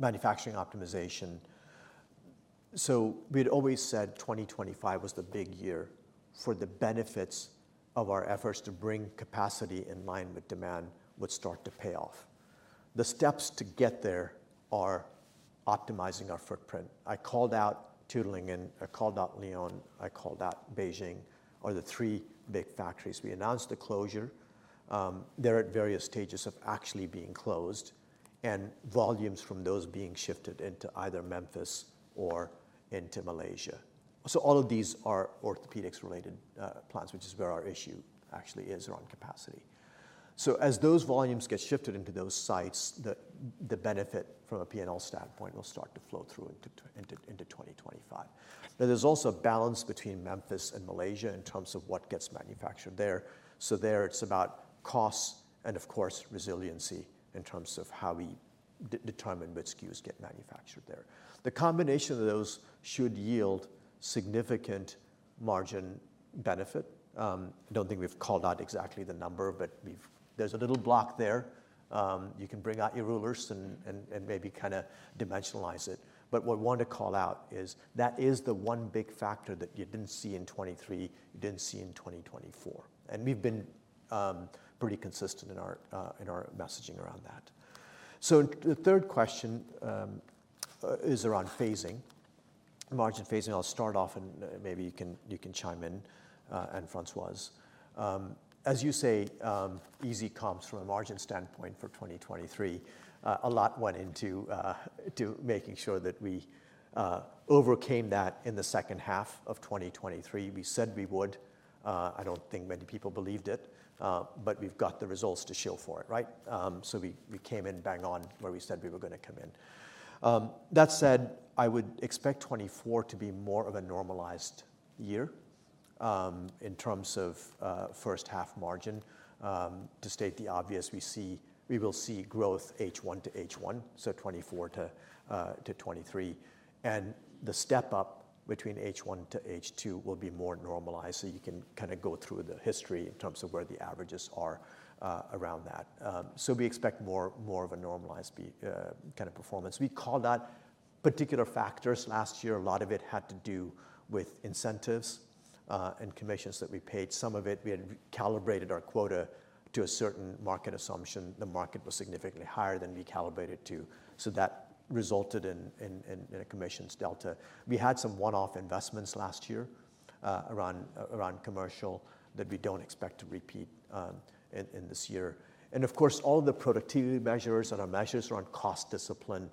manufacturing optimization. So we'd always said 2025 was the big year for the benefits of our efforts to bring capacity in line with demand would start to pay off. The steps to get there are optimizing our footprint. I called out Tuttlingen, I called out Lyon, I called out Beijing, are the three big factories. We announced a closure. They're at various stages of actually being closed and volumes from those being shifted into either Memphis or into Malaysia. So all of these are orthopaedics-related plants, which is where our issue actually is around capacity. So as those volumes get shifted into those sites, the benefit from a P&L standpoint will start to flow through into 2025. Now, there's also a balance between Memphis and Malaysia in terms of what gets manufactured there. So there it's about costs and, of course, resiliency in terms of how we determine which SKUs get manufactured there. The combination of those should yield significant margin benefit. I don't think we've called out exactly the number, but we've, there's a little block there. You can bring out your rulers and maybe kind of dimensionalize it. But what we want to call out is that is the one big factor that you didn't see in 2023, you didn't see in 2024. And we've been pretty consistent in our messaging around that. So the third question is around phasing, margin phasing. I'll start off, and maybe you can chime in, Anne-Françoise. As you say, easy comps from a margin standpoint for 2023. A lot went into making sure that we overcame that in the second half of 2023. We said we would. I don't think many people believed it, but we've got the results to show for it, right? So we came in bang on where we said we were going to come in. That said, I would expect 2024 to be more of a normalized year, in terms of first half margin. To state the obvious, we will see growth H1 to H1, so 2024 to 2023. And the step up between H1 to H2 will be more normalized. So you can kind of go through the history in terms of where the averages are, around that. So we expect more of a normalized kind of performance. We call that particular factors. Last year, a lot of it had to do with incentives and commissions that we paid. Some of it, we had calibrated our quota to a certain market assumption. The market was significantly higher than we calibrated to, so that resulted in a commissions delta. We had some one-off investments last year around commercial that we don't expect to repeat in this year. And of course, all of the productivity measures and our measures around cost discipline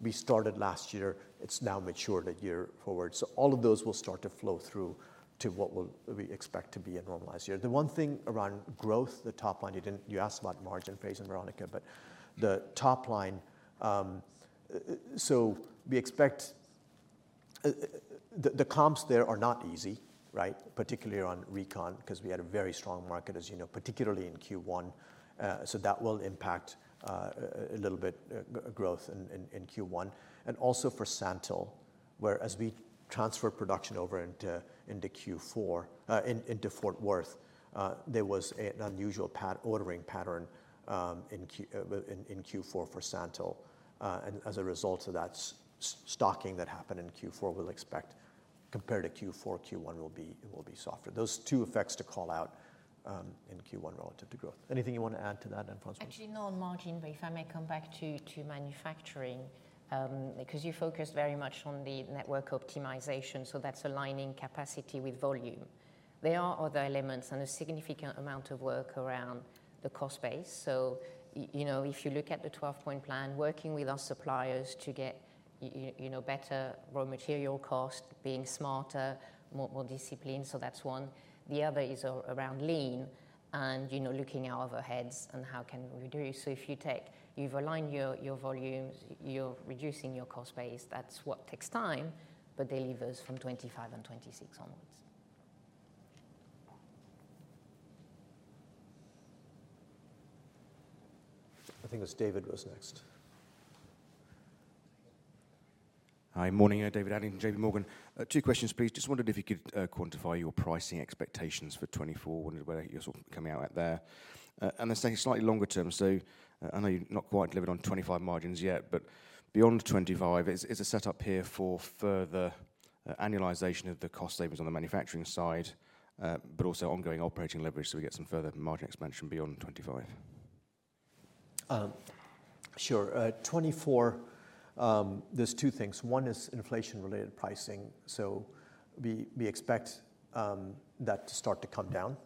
we started last year, it's now matured a year forward. So all of those will start to flow through to what will we expect to be a normalized year. The one thing around growth, the top line, you didn't you asked about margin phase, Veronika, but the top line. So we expect the comps there are not easy, right? Particularly on Recon, because we had a very strong market, as you know, particularly in Q1. So that will impact a little bit growth in Q1. And also for SANTYL, as we transfer production over into Q4 into Fort Worth, there was an unusual ordering pattern in Q4 for SANTYL. And as a result of that stocking that happened in Q4, we'll expect compared to Q4, Q1 will be softer. Those two effects to call out in Q1 relative to growth. Anything you want to add to that, Anne-Françoise? Actually, not on margin, but if I may come back to manufacturing, because you focus very much on the network optimization, so that's aligning capacity with volume. There are other elements and a significant amount of work around the cost base. So you know, if you look at the 12-point plan, working with our suppliers to get you know, better raw material cost, being smarter, more discipline. So that's one. The other is around lean and, you know, looking at our overheads and how can we do. So if you take... You've aligned your volumes, you're reducing your cost base, that's what takes time, but delivers from 2025 and 2026 onwards. I think it's David goes next. Hi. Morning. David Adlington, JPMorgan. Two questions, please. Just wondered if you could quantify your pricing expectations for 2024, wondered whether you're sort of coming out at there. And then second, slightly longer term. So, I know you've not quite delivered on 2025 margins yet, but beyond 2025, is it set up here for further annualization of the cost savings on the manufacturing side, but also ongoing operating leverage, so we get some further margin expansion beyond 2025? Sure. 2024, there's two things. One is inflation-related pricing. So we, we expect, that to start to come down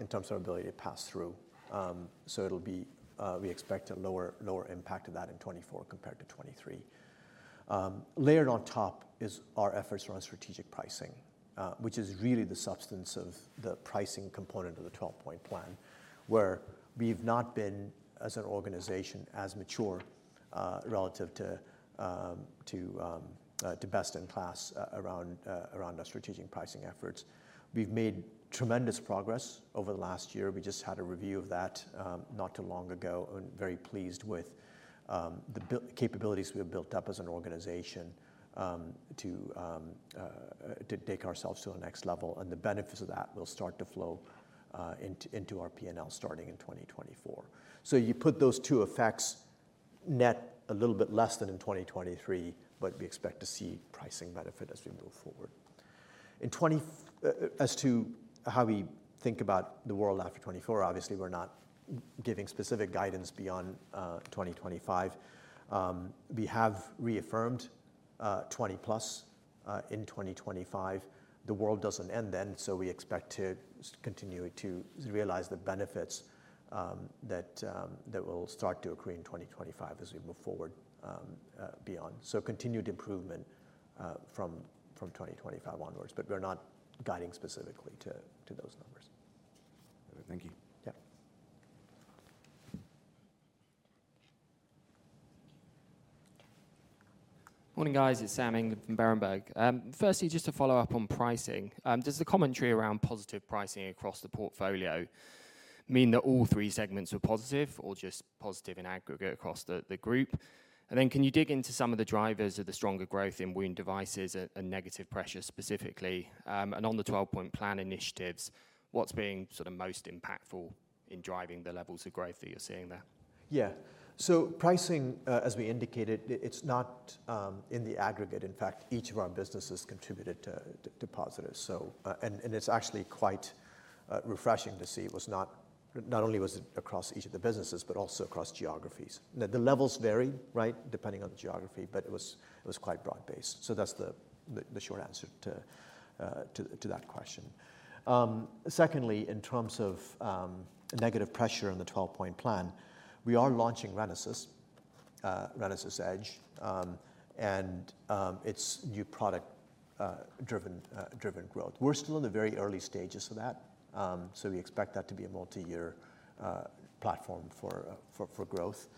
in terms of our ability to pass through. So it'll be, we expect a lower, lower impact of that in 2024 compared to 2023. Layered on top is our efforts around strategic pricing, which is really the substance of the pricing component of the 12-point plan, where we've not been, as an organization, as mature, relative to, to, to best in class around, around our strategic pricing efforts. We've made tremendous progress over the last year. We just had a review of that, not too long ago, and very pleased with the capabilities we have built up as an organization, to take ourselves to the next level, and the benefits of that will start to flow into our P&L starting in 2024. So you put those two effects net a little bit less than in 2023, but we expect to see pricing benefit as we move forward. In 2024 as to how we think about the world after 2024, obviously, we're not giving specific guidance beyond 2025. We have reaffirmed 20+ in 2025. The world doesn't end then, so we expect to continue to realize the benefits that will start to occur in 2025 as we move forward beyond. Continued improvement from 2025 onwards, but we're not guiding specifically to those numbers. Thank you. Yeah. Morning, guys. It's Sam England from Berenberg. Firstly, just to follow up on pricing, does the commentary around positive pricing across the portfolio mean that all three segments were positive or just positive in aggregate across the group? And then can you dig into some of the drivers of the stronger growth in wound devices and negative pressure specifically? And on the 12-point plan initiatives, what's been sort of most impactful in driving the levels of growth that you're seeing there? Yeah. So pricing, as we indicated, it's not in the aggregate. In fact, each of our businesses contributed to positives. So, and it's actually quite refreshing to see it was not only was it across each of the businesses, but also across geographies. Now, the levels vary, right? Depending on the geography, but it was quite broad-based. So that's the short answer to that question. Secondly, in terms of negative pressure on the 12-point plan, we are launching RENASYS, RENASYS Edge, and it's new product driven growth. We're still in the very early stages of that, so we expect that to be a multi-year platform for growth.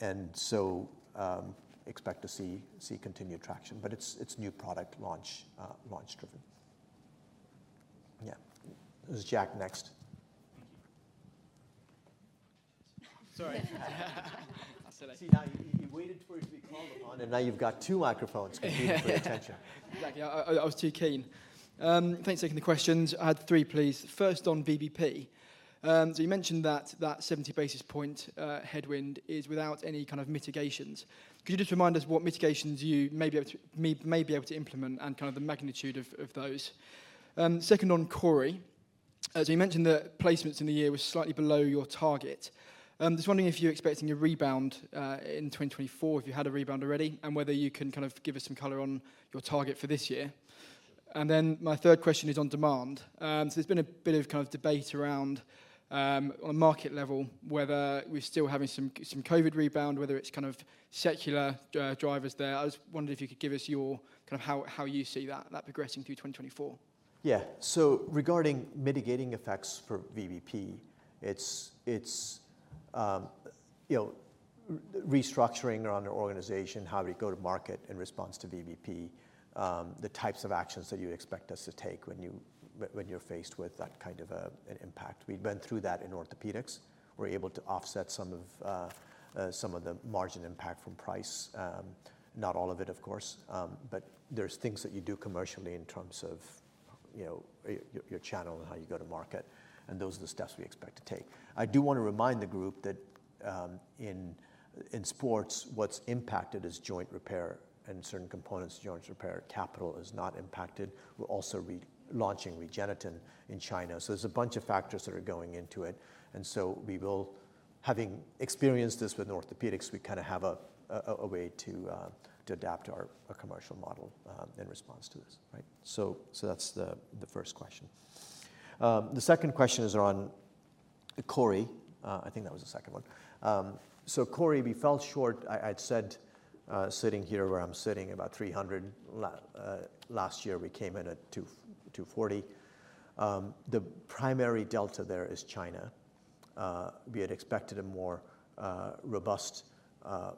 And so, expect to see continued traction, but it's new product launch driven. Yeah. It's Jack next. Thank you. Sorry. I said I- See, now you waited for it to be called upon, and now you've got two microphones competing for attention. Exactly. I was too keen. Thanks for taking the questions. I had three, please. First, on VBP. So you mentioned that 70 basis point headwind is without any kind of mitigations. Could you just remind us what mitigations you may be able to implement and kind of the magnitude of those? Second, on CORI. As you mentioned, the placements in the year were slightly below your target. Just wondering if you're expecting a rebound in 2024, if you had a rebound already, and whether you can kind of give us some color on your target for this year. And then my third question is on demand. So there's been a bit of kind of debate around, on a market level, whether we're still having some COVID rebound, whether it's kind of secular drivers there. I was wondering if you could give us your kind of how you see that progressing through 2024? Yeah. So regarding mitigating effects for VBP, it's you know, restructuring around your organization, how we go to market in response to VBP, the types of actions that you expect us to take when you're faced with that kind of an impact. We've been through that in Orthopaedics. We're able to offset some of some of the margin impact from price. Not all of it, of course, but there's things that you do commercially in terms of, you know, your channel and how you go to market, and those are the steps we expect to take. I do want to remind the group that in sports, what's impacted is joint repair and certain components of joint repair. Capital is not impacted. We're also re-launching REGENETEN in China, so there's a bunch of factors that are going into it, and so we will. Having experienced this with Orthopaedics, we kind of have a way to adapt our commercial model in response to this, right? So that's the first question. The second question is on CORI. I think that was the second one. So CORI, we fell short. I'd said, sitting here where I'm sitting, about 300. Last year we came in at 240. The primary delta there is China. We had expected a more robust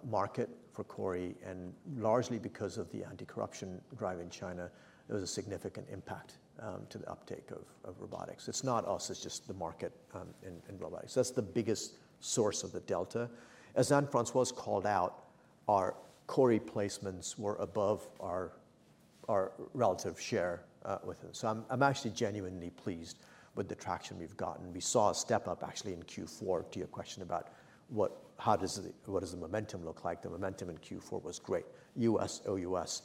market for CORI, and largely because of the anti-corruption drive in China, there was a significant impact to the uptake of robotics. It's not us, it's just the market in robotics. That's the biggest source of the delta. As Anne-Françoise called out, our CORI placements were above our, our relative share, with it. So I'm, I'm actually genuinely pleased with the traction we've gotten. We saw a step-up actually in Q4 to your question about what does the momentum look like? The momentum in Q4 was great, US, OUS.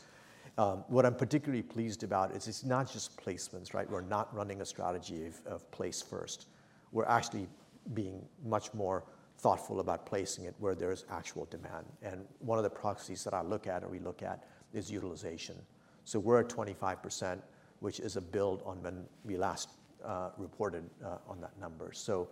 What I'm particularly pleased about is it's not just placements, right? We're not running a strategy of, of place first. We're actually being much more thoughtful about placing it where there is actual demand. And one of the proxies that I look at, or we look at, is utilization. So we're at 25%, which is a build on when we last reported on that number. So,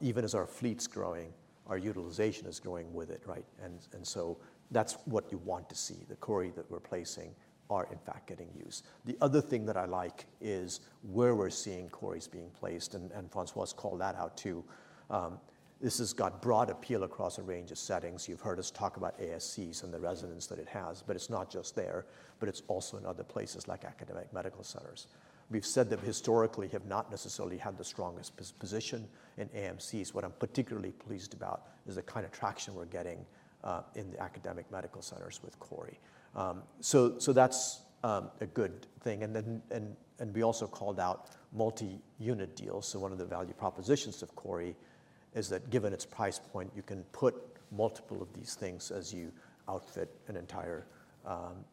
even as our fleet's growing, our utilization is growing with it, right? And so that's what you want to see, the CORI that we're placing are in fact getting used. The other thing that I like is where we're seeing CORIs being placed, Anne-Françoise called that out, too. This has got broad appeal across a range of settings. You've heard us talk about ASCs and the resonance that it has, but it's not just there, but it's also in other places like academic medical centers. We've said that historically have not necessarily had the strongest position in AMCs. What I'm particularly pleased about is the kind of traction we're getting in the academic medical centers with CORI. So that's a good thing. And then we also called out multi-unit deals. So one of the value propositions of CORI is that given its price point, you can put multiple of these things as you outfit an entire,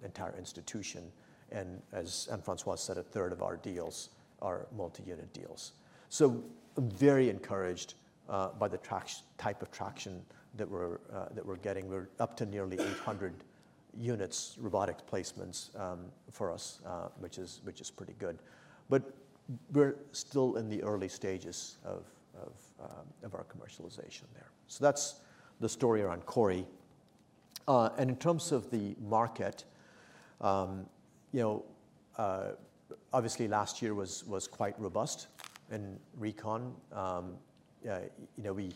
entire institution, and as Anne-Françoise said, a third of our deals are multi-unit deals. So I'm very encouraged by the traction, type of traction that we're getting. We're up to nearly 800 units, robotic placements, for us, which is pretty good. But we're still in the early stages of our commercialization there. So that's the story around CORI. And in terms of the market, you know, obviously last year was quite robust in Recon. You know, we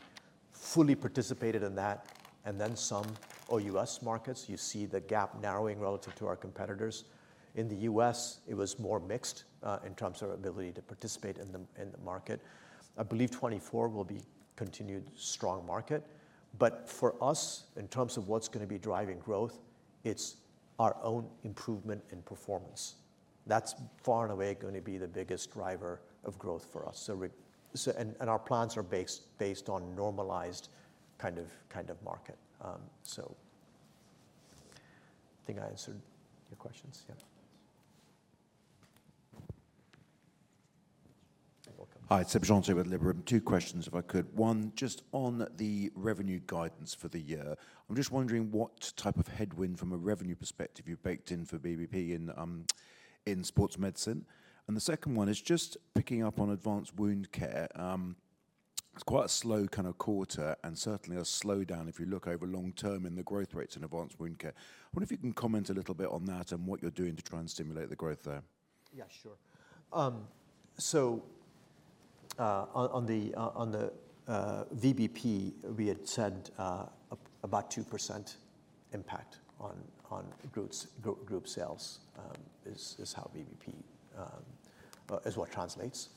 fully participated in that and then some. All U.S. markets, you see the gap narrowing relative to our competitors. In the U.S., it was more mixed in terms of our ability to participate in the market. I believe 2024 will be continued strong market, but for us, in terms of what's gonna be driving growth, it's our own improvement in performance. That's far and away gonna be the biggest driver of growth for us. So, and our plans are based on normalized kind of market. So, I think I answered your questions, yeah. Welcome. Hi, it's Seb Jantet with Liberum. Two questions, if I could. One, just on the revenue guidance for the year. I'm just wondering what type of headwind from a revenue perspective you've baked in for VBP in sports medicine? And the second one is just picking up on advanced wound care. It's quite a slow kind of quarter, and certainly a slowdown if you look over long term in the growth rates in advanced wound care. I wonder if you can comment a little bit on that and what you're doing to try and stimulate the growth there. Yeah, sure. So, on the VBP, we had said about 2% impact on group sales is how VBP is what translates.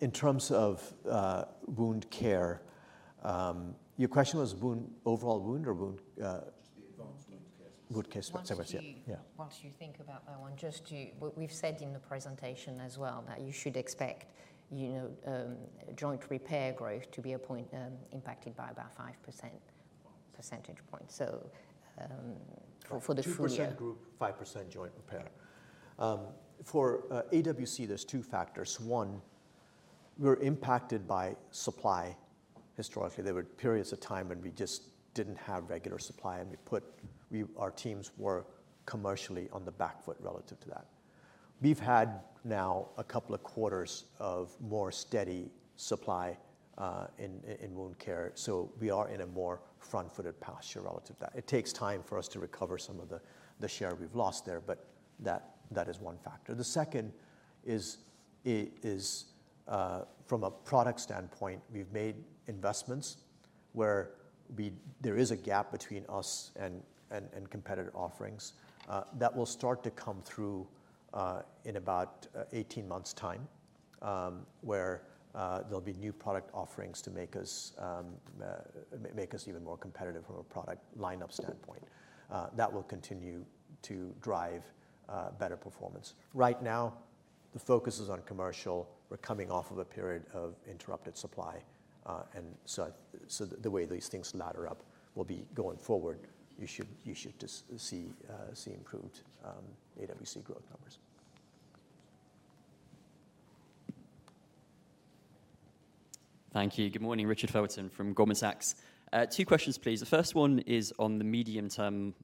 In terms of wound care, your question was overall wound or wound Just the advanced wound cases. Wound cases. Whilst you- Yeah. Whilst you think about that one, just to... What we've said in the presentation as well, that you should expect, you know, joint repair growth to be a point impacted by about 5% percentage point. So, for the full year. 2% growth, 5% Joint Repair. For AWC, there are two factors: one, we were impacted by supply. Historically, there were periods of time when we just didn't have regular supply, and our teams were commercially on the back foot relative to that. We've had now a couple of quarters of more steady supply in wound care, so we are in a more front-footed posture relative to that. It takes time for us to recover some of the share we've lost there, but that is one factor. The second is from a product standpoint, we've made investments where there is a gap between us and competitor offerings. That will start to come through in about 18 months' time, where there'll be new product offerings to make us make us even more competitive from a product lineup standpoint. That will continue to drive better performance. Right now, the focus is on commercial. We're coming off of a period of interrupted supply, and so, so the way these things ladder up will be going forward, you should, you should just see see improved AWM growth numbers. Thank you. Good morning, Richard Felton from Goldman Sachs. Two questions, please. The first one is on the medium-term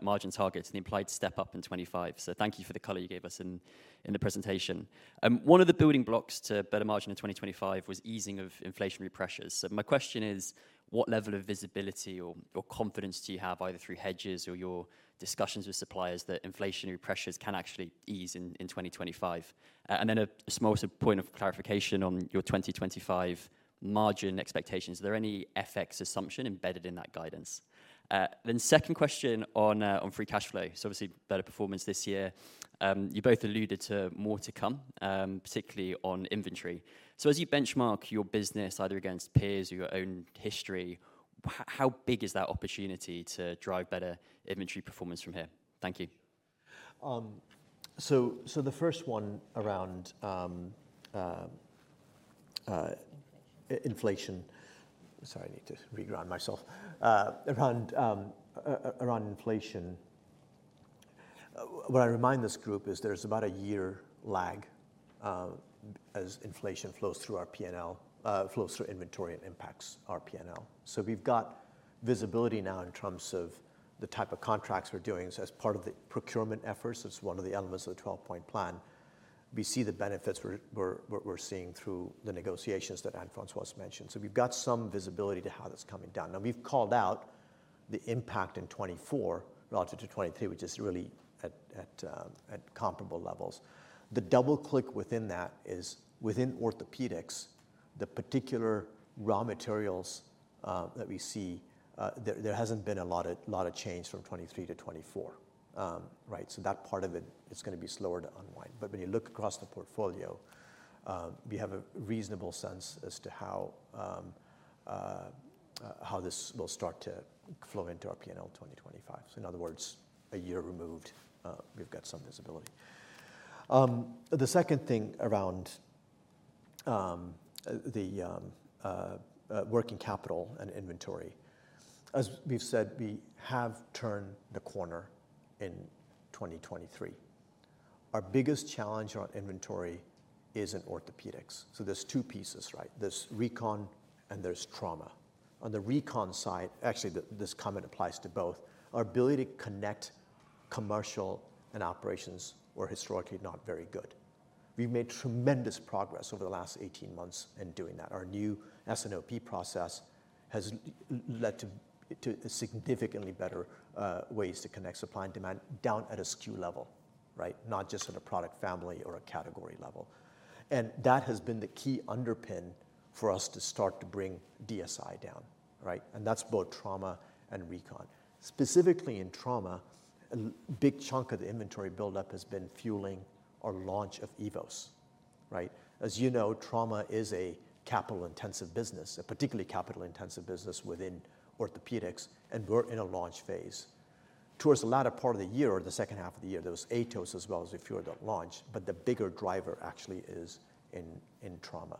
margin target and the implied step-up in 25. So thank you for the color you gave us in the presentation. One of the building blocks to better margin in 2025 was easing of inflationary pressures. So my question is, what level of visibility or confidence do you have, either through hedges or your discussions with suppliers, that inflationary pressures can actually ease in 2025? And then a small point of clarification on your 2025 margin expectations. Are there any FX assumption embedded in that guidance? Then second question on free cash flow. So obviously, better performance this year. You both alluded to more to come, particularly on inventory. So as you benchmark your business, either against peers or your own history, how big is that opportunity to drive better inventory performance from here? Thank you. So the first one around. Inflation... inflation. Sorry, I need to re-ground myself. Around inflation. What I remind this group is there's about a year lag, as inflation flows through our P&L, flows through inventory and impacts our P&L. So we've got visibility now in terms of the type of contracts we're doing. So as part of the procurement efforts, it's one of the elements of the 12-point plan, we see the benefits we're seeing through the negotiations that Anne-Françoise mentioned. So we've got some visibility to how that's coming down. Now, we've called out the impact in 2024 relative to 2023, which is really at comparable levels. The double click within that is within Orthopaedics, the particular raw materials that we see there hasn't been a lot of change from 2023 to 2024. Right? So that part of it, it's gonna be slower to unwind. But when you look across the portfolio, we have a reasonable sense as to how this will start to flow into our P&L in 2025. So in other words, a year removed, we've got some visibility. The second thing around the working capital and inventory. As we've said, we have turned the corner in 2023. Our biggest challenge on our inventory is in Orthopaedics. So there's two pieces, right? There's Recon and there's trauma. On the Recon side, actually, this comment applies to both. Our ability to connect commercial and operations were historically not very good. We've made tremendous progress over the last 18 months in doing that. Our new S&OP process has led to significantly better ways to connect supply and demand down at a SKU level, right? Not just at a product family or a category level. That has been the key underpin for us to start to bring DSI down, right? That's both trauma and recon. Specifically in trauma, a big chunk of the inventory buildup has been fueling our launch of EVOS, right? As you know, trauma is a capital-intensive business, a particularly capital-intensive business within Orthopaedics, and we're in a launch phase. Towards the latter part of the year, or the second half of the year, there was AETOS as well as a few other launch, but the bigger driver actually is in trauma.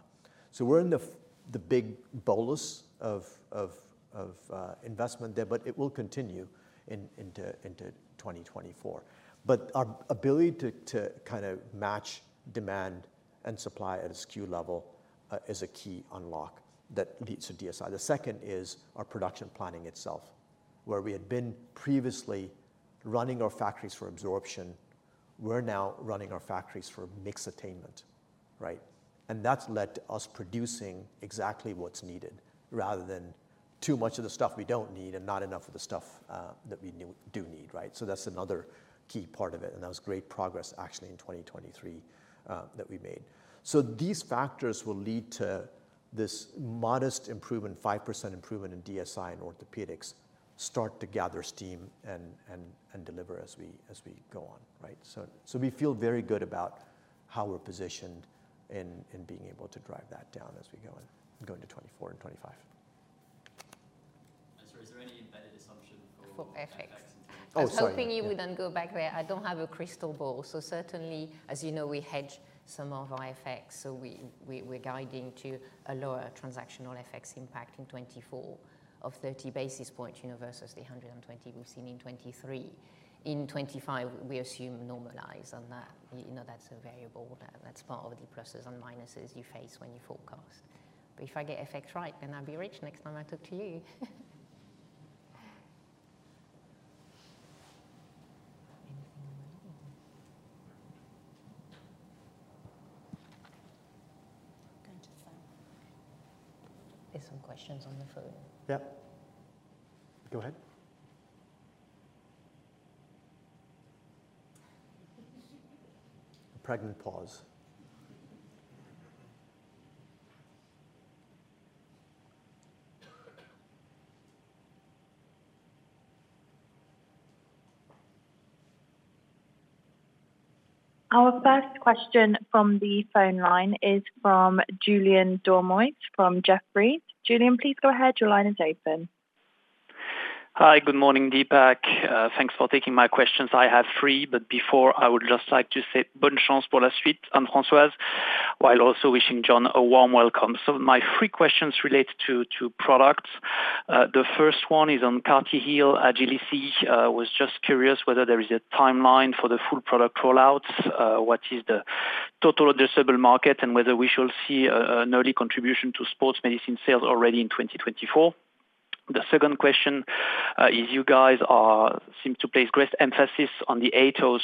So we're in the big bolus of investment there, but it will continue into 2024. But our ability to kind of match demand and supply at a SKU level is a key unlock that leads to DSI. The second is our production planning itself, where we had been previously running our factories for absorption, we're now running our factories for mix attainment, right? And that's led to us producing exactly what's needed, rather than too much of the stuff we don't need and not enough of the stuff that we do need, right? So that's another key part of it, and that was great progress actually in 2023 that we made. So these factors will lead to this modest improvement, 5% improvement in DSI and Orthopaedics, start to gather steam and deliver as we go on, right? So, we feel very good about how we're positioned in being able to drive that down as we go into 2024 and 2025. And so, is there any embedded assumption for— For FX? Oh, sorry. I was hoping you wouldn't go back there. I don't have a crystal ball, so certainly, as you know, we hedge some of our FX, so we, we're guiding to a lower transactional FX impact in 2024 of 30 basis points, you know, versus the 120 we've seen in 2023. In 2025, we assume normalize on that. You know, that's a variable, that's part of the pluses and minuses you face when you forecast. But if I get FX right, then I'll be rich next time I talk to you. Anything more? There's some questions on the phone. Yep. Go ahead. A pregnant pause. Our first question from the phone line is from Julien Dormois from Jefferies. Julien, please go ahead. Your line is open. Hi, good morning, Deepak. Thanks for taking my questions. I have three, but before, I would just like to say bonne chance pour la suite, Anne-Françoise, while also wishing John a warm welcome. So my three questions relate to products. The first one is on CartiHeal Agili-C. Was just curious whether there is a timeline for the full product rollouts, what is the total addressable market, and whether we shall see an early contribution to sports medicine sales already in 2024. The second question is you guys seem to place great emphasis on the AETOS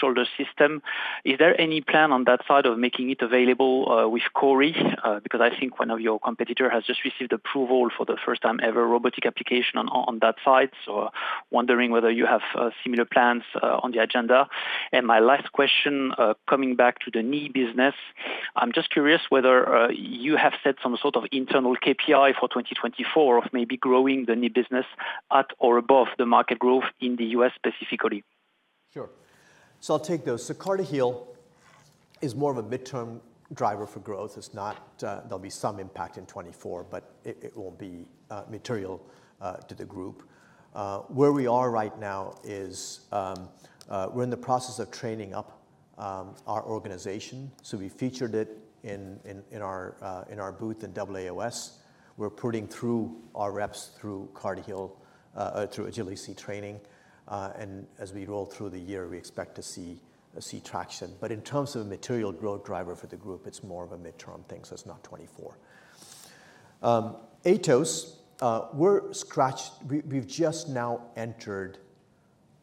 shoulder system. Is there any plan on that side of making it available with CORI? Because I think one of your competitor has just received approval for the first time ever, robotic application on that side. Wondering whether you have similar plans on the agenda? My last question, coming back to the knee business, I'm just curious whether you have set some sort of internal KPI for 2024 of maybe growing the knee business at or above the market growth in the U.S. specifically? Sure. So I'll take those. So CartiHeal is more of a midterm driver for growth. It's not... There'll be some impact in 2024, but it, it won't be material to the group. Where we are right now is, we're in the process of training up our organization. So we featured it in our booth in AAOS. We're putting our reps through CartiHeal through Agili-C training. And as we roll through the year, we expect to see traction. But in terms of a material growth driver for the group, it's more of a midterm thing, so it's not 2024. AETOS, we've just now entered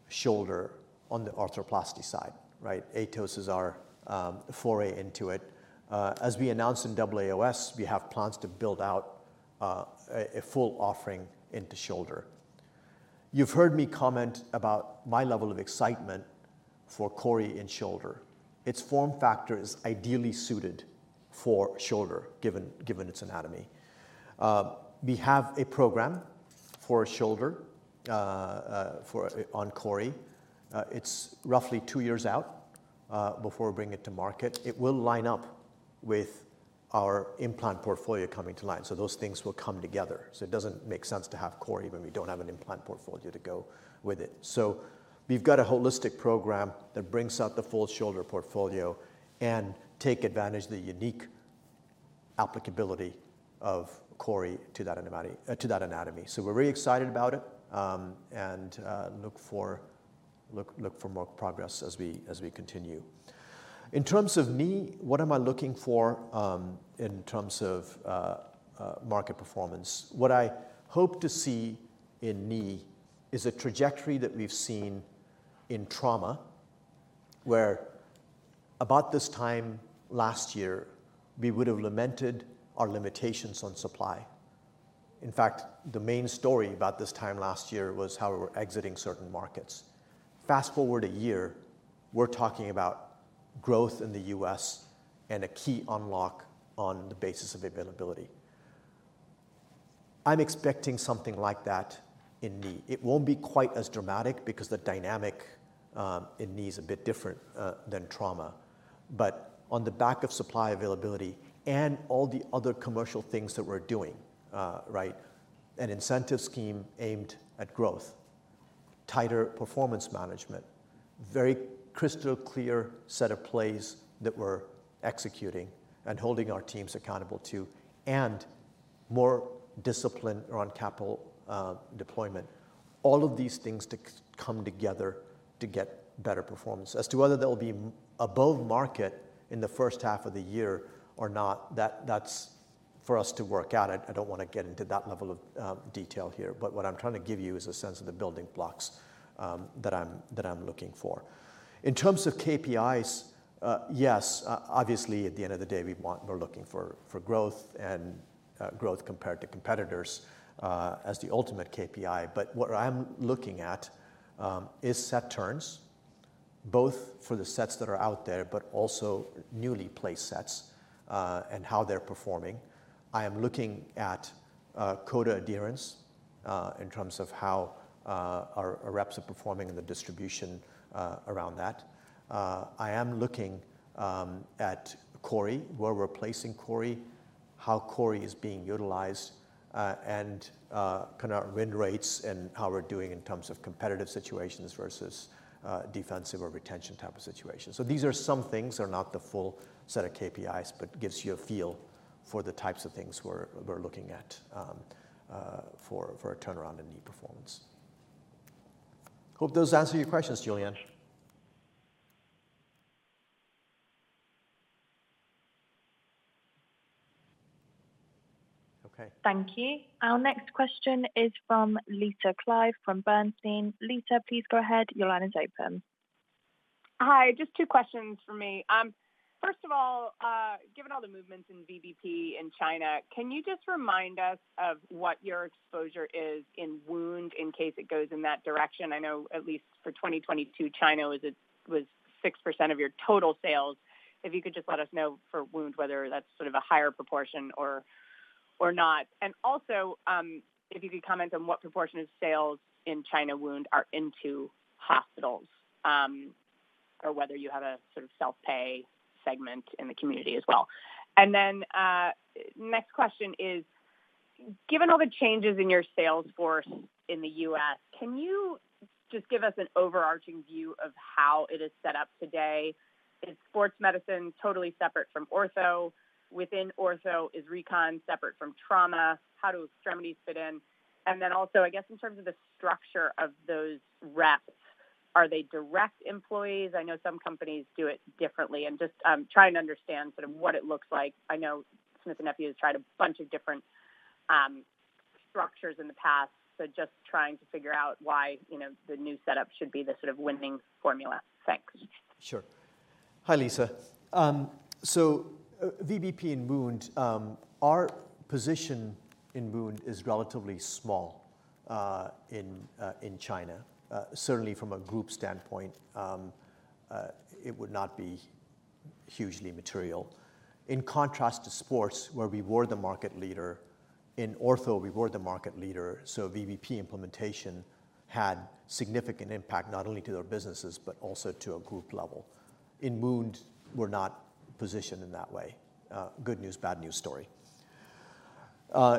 shoulder on the arthroplasty side, right? AETOS is our foray into it. As we announced in AAOS, we have plans to build out a full offering into shoulder. You've heard me comment about my level of excitement for CORI in shoulder. Its form factor is ideally suited for shoulder, given its anatomy. We have a program for shoulder for on CORI. It's roughly two years out before we bring it to market. It will line up with our implant portfolio coming to line, so those things will come together. So it doesn't make sense to have CORI when we don't have an implant portfolio to go with it. So we've got a holistic program that brings out the full shoulder portfolio and take advantage of the unique applicability of CORI to that anatomy, to that anatomy. So we're really excited about it, and look for more progress as we continue. In terms of knee, what am I looking for in terms of market performance? What I hope to see in knee is a trajectory that we've seen in trauma, where about this time last year, we would have lamented our limitations on supply. In fact, the main story about this time last year was how we were exiting certain markets. Fast forward a year, we're talking about growth in the U.S. and a key unlock on the basis of availability. I'm expecting something like that in knee. It won't be quite as dramatic because the dynamic in knee is a bit different than trauma. But on the back of supply availability and all the other commercial things that we're doing, right: an incentive scheme aimed at growth, tighter performance management, very crystal clear set of plays that we're executing and holding our teams accountable to, and more discipline around capital, deployment. All of these things to come together to get better performance. As to whether they'll be above market in the first half of the year or not, that's for us to work out. I, I don't want to get into that level of detail here. But what I'm trying to give you is a sense of the building blocks that I'm looking for. In terms of KPIs, yes, obviously, at the end of the day, we're looking for growth and growth compared to competitors as the ultimate KPI. But what I'm looking at is set turns, both for the sets that are out there but also newly placed sets and how they're performing. I am looking at quota adherence in terms of how our reps are performing and the distribution around that. I am looking at CORI, where we're placing CORI, how CORI is being utilized and kind of win rates and how we're doing in terms of competitive situations versus defensive or retention type of situations. So these are some things, they're not the full set of KPIs, but gives you a feel for the types of things we're looking at, for a turnaround in knee performance. Hope those answer your questions, Julien. Okay. Thank you. Our next question is from Lisa Clive from Bernstein. Lisa, please go ahead. Your line is open. Hi, just two questions from me. First of all, given all the movements in VBP in China, can you just remind us of what your exposure is in wound in case it goes in that direction? I know at least for 2022, China was 6% of your total sales. If you could just let us know for wound, whether that's sort of a higher proportion or not. And also, if you could comment on what proportion of sales in China wound are into hospitals, or whether you have a sort of self-pay segment in the community as well. And then, next question is: given all the changes in your sales force in the U.S., can you just give us an overarching view of how it is set up today? Is sports medicine totally separate from ortho? Within ortho, is recon separate from trauma? How do extremities fit in? And then also, I guess, in terms of the structure of those reps, are they direct employees? I know some companies do it differently. I'm just trying to understand sort of what it looks like. I know Smith & Nephew has tried a bunch of different structures in the past, so just trying to figure out why, you know, the new setup should be the sort of winning formula. Thanks. Sure. Hi, Lisa. So VBP in wound, our position in wound is relatively small, in China. Certainly from a group standpoint, it would not be hugely material. In contrast to sports, where we were the market leader, in ortho, we were the market leader, so VBP implementation had significant impact, not only to our businesses, but also to a group level. In wound, we're not positioned in that way. Good news, bad news story.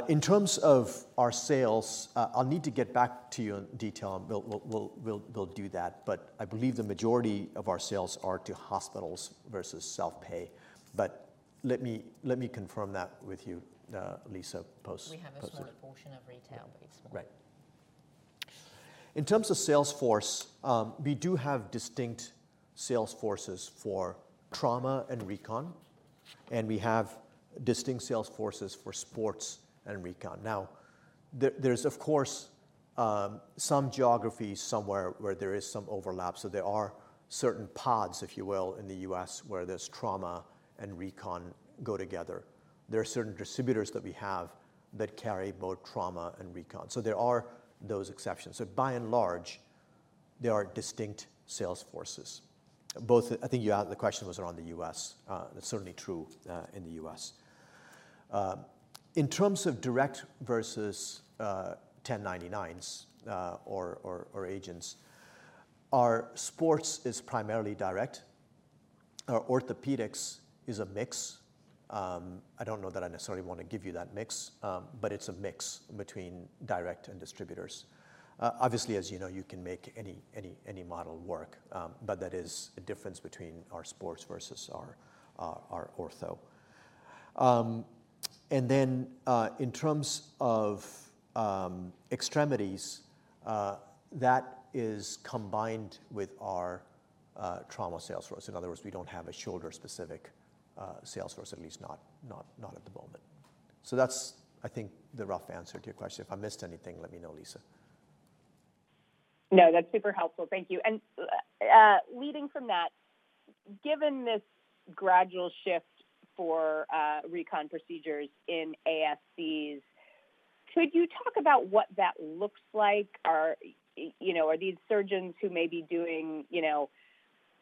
In terms of our sales, I'll need to get back to you on detail and we'll do that, but I believe the majority of our sales are to hospitals versus self-pay. But let me confirm that with you, Lisa, post- post... We have a small portion of retail, but it's small. Right. In terms of sales force, we do have distinct sales forces for trauma and recon, and we have distinct sales forces for sports and recon. Now, there's of course some geographies somewhere where there is some overlap, so there are certain pods, if you will, in the U.S. where there's trauma and recon go together. There are certain distributors that we have that carry both trauma and recon. So there are those exceptions. So by and large, they are distinct sales forces. Both, I think you asked, the question was around the U.S. That's certainly true in the U.S. In terms of direct versus 1099s or agents, our sports is primarily direct. Our Orthopaedics is a mix. I don't know that I necessarily want to give you that mix, but it's a mix between direct and distributors. Obviously, as you know, you can make any model work, but that is a difference between our sports versus our ortho. And then, in terms of extremities, that is combined with our trauma sales force. In other words, we don't have a shoulder-specific sales force, at least not at the moment. So that's, I think, the rough answer to your question. If I missed anything, let me know, Lisa. No, that's super helpful. Thank you. And, leading from that, given this gradual shift for recon procedures in ASCs, could you talk about what that looks like? Are, you know, are these surgeons who may be doing, you know,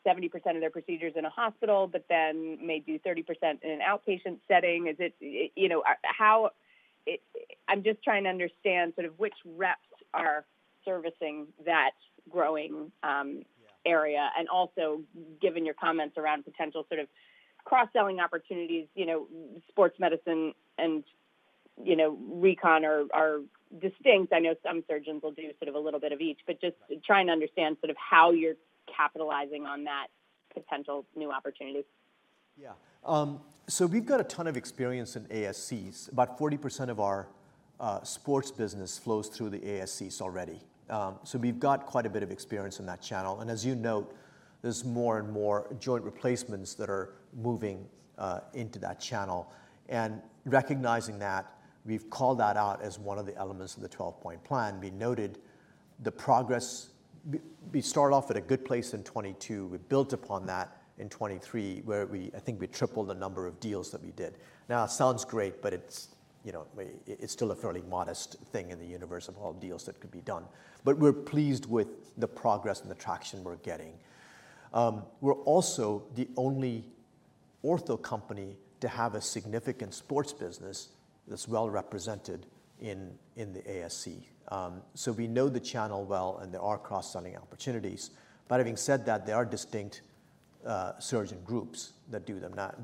70% of their procedures in a hospital, but then may do 30% in an outpatient setting? Is it, you know, how it—I'm just trying to understand sort of which reps are servicing that growing,... area, and also, given your comments around potential sort of cross-selling opportunities, you know, Sports Medicine and, you know, Recon are, are distinct. I know some surgeons will do sort of a little bit of each, but just trying to understand sort of how you're capitalizing on that potential new opportunity. Yeah. So we've got a ton of experience in ASCs. About 40% of our sports business flows through the ASCs already. So we've got quite a bit of experience in that channel, and as you note, there's more and more joint replacements that are moving into that channel. And recognizing that, we've called that out as one of the elements of the 12-point plan. We noted the progress. We start off at a good place in 2022. We built upon that in 2023, where we, I think, we tripled the number of deals that we did. Now, it sounds great, but it's, you know, it, it's still a fairly modest thing in the universe of all deals that could be done. But we're pleased with the progress and the traction we're getting. We're also the only ortho company to have a significant sports business that's well represented in the ASC. So we know the channel well, and there are cross-selling opportunities. But having said that, there are distinct surgeon groups that do them. Now,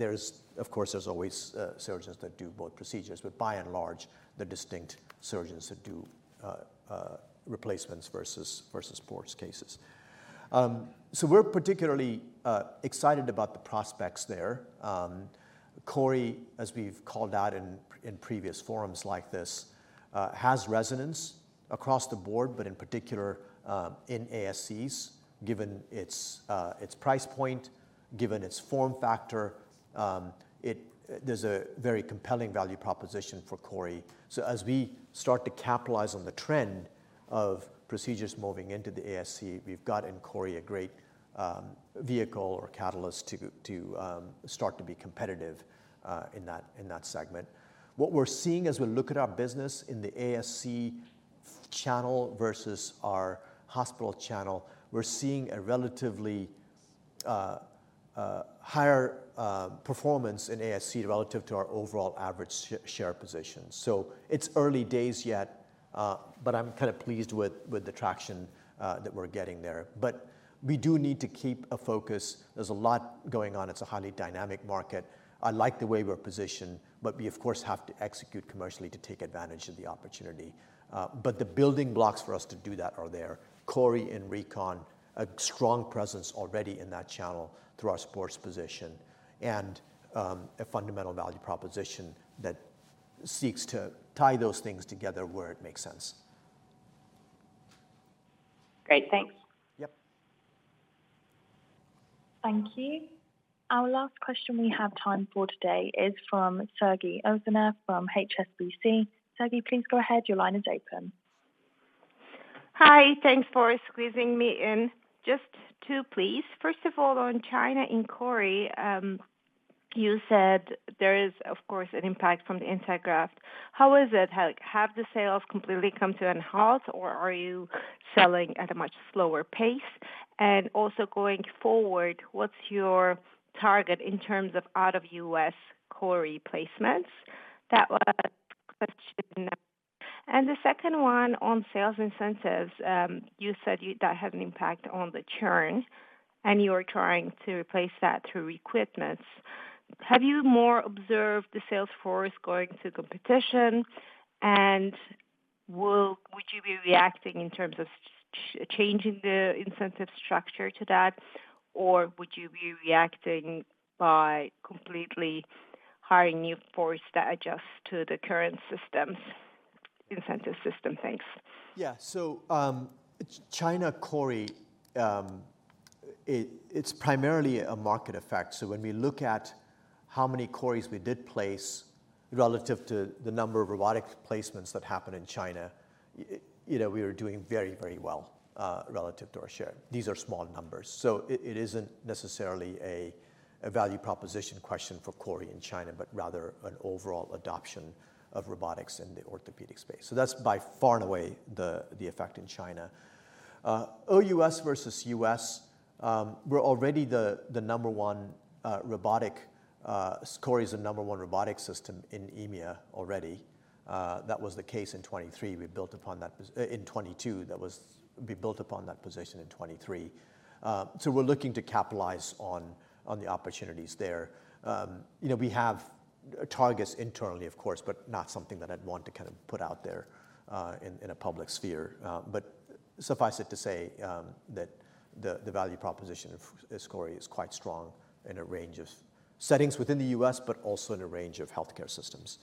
of course, there's always surgeons that do both procedures, but by and large, they're distinct surgeons that do replacements versus sports cases. So we're particularly excited about the prospects there. CORI, as we've called out in previous forums like this, has resonance across the board, but in particular, in ASCs, given its price point, given its form factor, there's a very compelling value proposition for CORI. So as we start to capitalize on the trend of procedures moving into the ASC, we've got in CORI a great vehicle or catalyst to start to be competitive in that segment. What we're seeing as we look at our business in the ASC channel versus our hospital channel, we're seeing a relatively higher performance in ASC relative to our overall average share position. So it's early days yet, but I'm kind of pleased with the traction that we're getting there. But we do need to keep a focus. There's a lot going on. It's a highly dynamic market. I like the way we're positioned, but we, of course, have to execute commercially to take advantage of the opportunity. But the building blocks for us to do that are there. CORI and Recon, a strong presence already in that channel through our sports position and, a fundamental value proposition that seeks to tie those things together where it makes sense. Great. Thanks. Yep. Thank you. Our last question we have time for today is from Sezgi Oezener from HSBC. Sezgi, please go ahead. Your line is open. Hi, thanks for squeezing me in. Just two, please. First of all, on China and CORI, you said there is, of course, an impact from the anti-graft. How is it? Like, have the sales completely come to a halt, or are you selling at a much slower pace? And also going forward, what's your target in terms of out-of-U.S. CORI placements? That was a question. And the second one on sales incentives, you said that had an impact on the churn, and you are trying to replace that through recruitments. Have you more observed the sales force going to competition, and would you be reacting in terms of changing the incentive structure to that, or would you be reacting by completely hiring new force that adjusts to the current systems, incentive system? Thanks. Yeah. So, China CORI, it's primarily a market effect. So when we look at how many CORIs we did place relative to the number of robotic placements that happened in China, you know, we were doing very, very well relative to our share. These are small numbers, so it isn't necessarily a value proposition question for CORI in China, but rather an overall adoption of robotics in the orthopedic space. So that's by far and away the effect in China. OUS versus US, we're already the number one robotic. CORI is the number one robotic system in EMEA already. That was the case in 2023. We built upon that position in 2023. So we're looking to capitalize on the opportunities there. You know, we have targets internally, of course, but not something that I'd want to kind of put out there, in, in a public sphere. But suffice it to say, that the, the value proposition of, CORI is quite strong in a range of settings within the U.S., but also in a range of healthcare systems.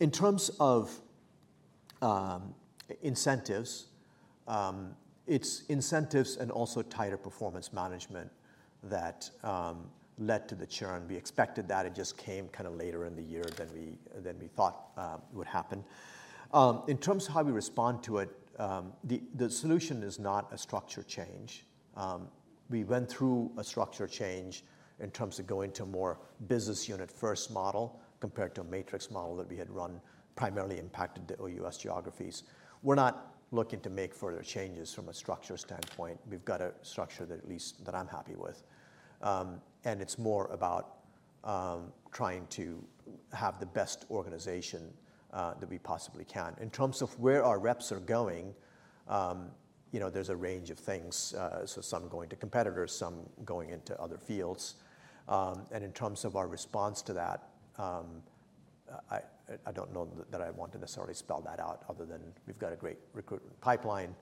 In terms of, incentives, it's incentives and also tighter performance management that, led to the churn. We expected that. It just came kind of later in the year than we, than we thought, would happen. In terms of how we respond to it, the, the solution is not a structure change. We went through a structure change in terms of going to a more business unit first model compared to a matrix model that we had run, primarily impacted the OUS geographies. We're not looking to make further changes from a structure standpoint. We've got a structure that at least I'm happy with, and it's more about trying to have the best organization that we possibly can. In terms of where our reps are going, you know, there's a range of things, so some going to competitors, some going into other fields. And in terms of our response to that, I don't know that I want to necessarily spell that out other than we've got a great recruitment pipeline,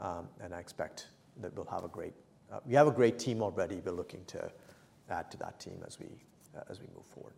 and I expect that we'll have a great, we have a great team already. We're looking to add to that team as we, as we move forward.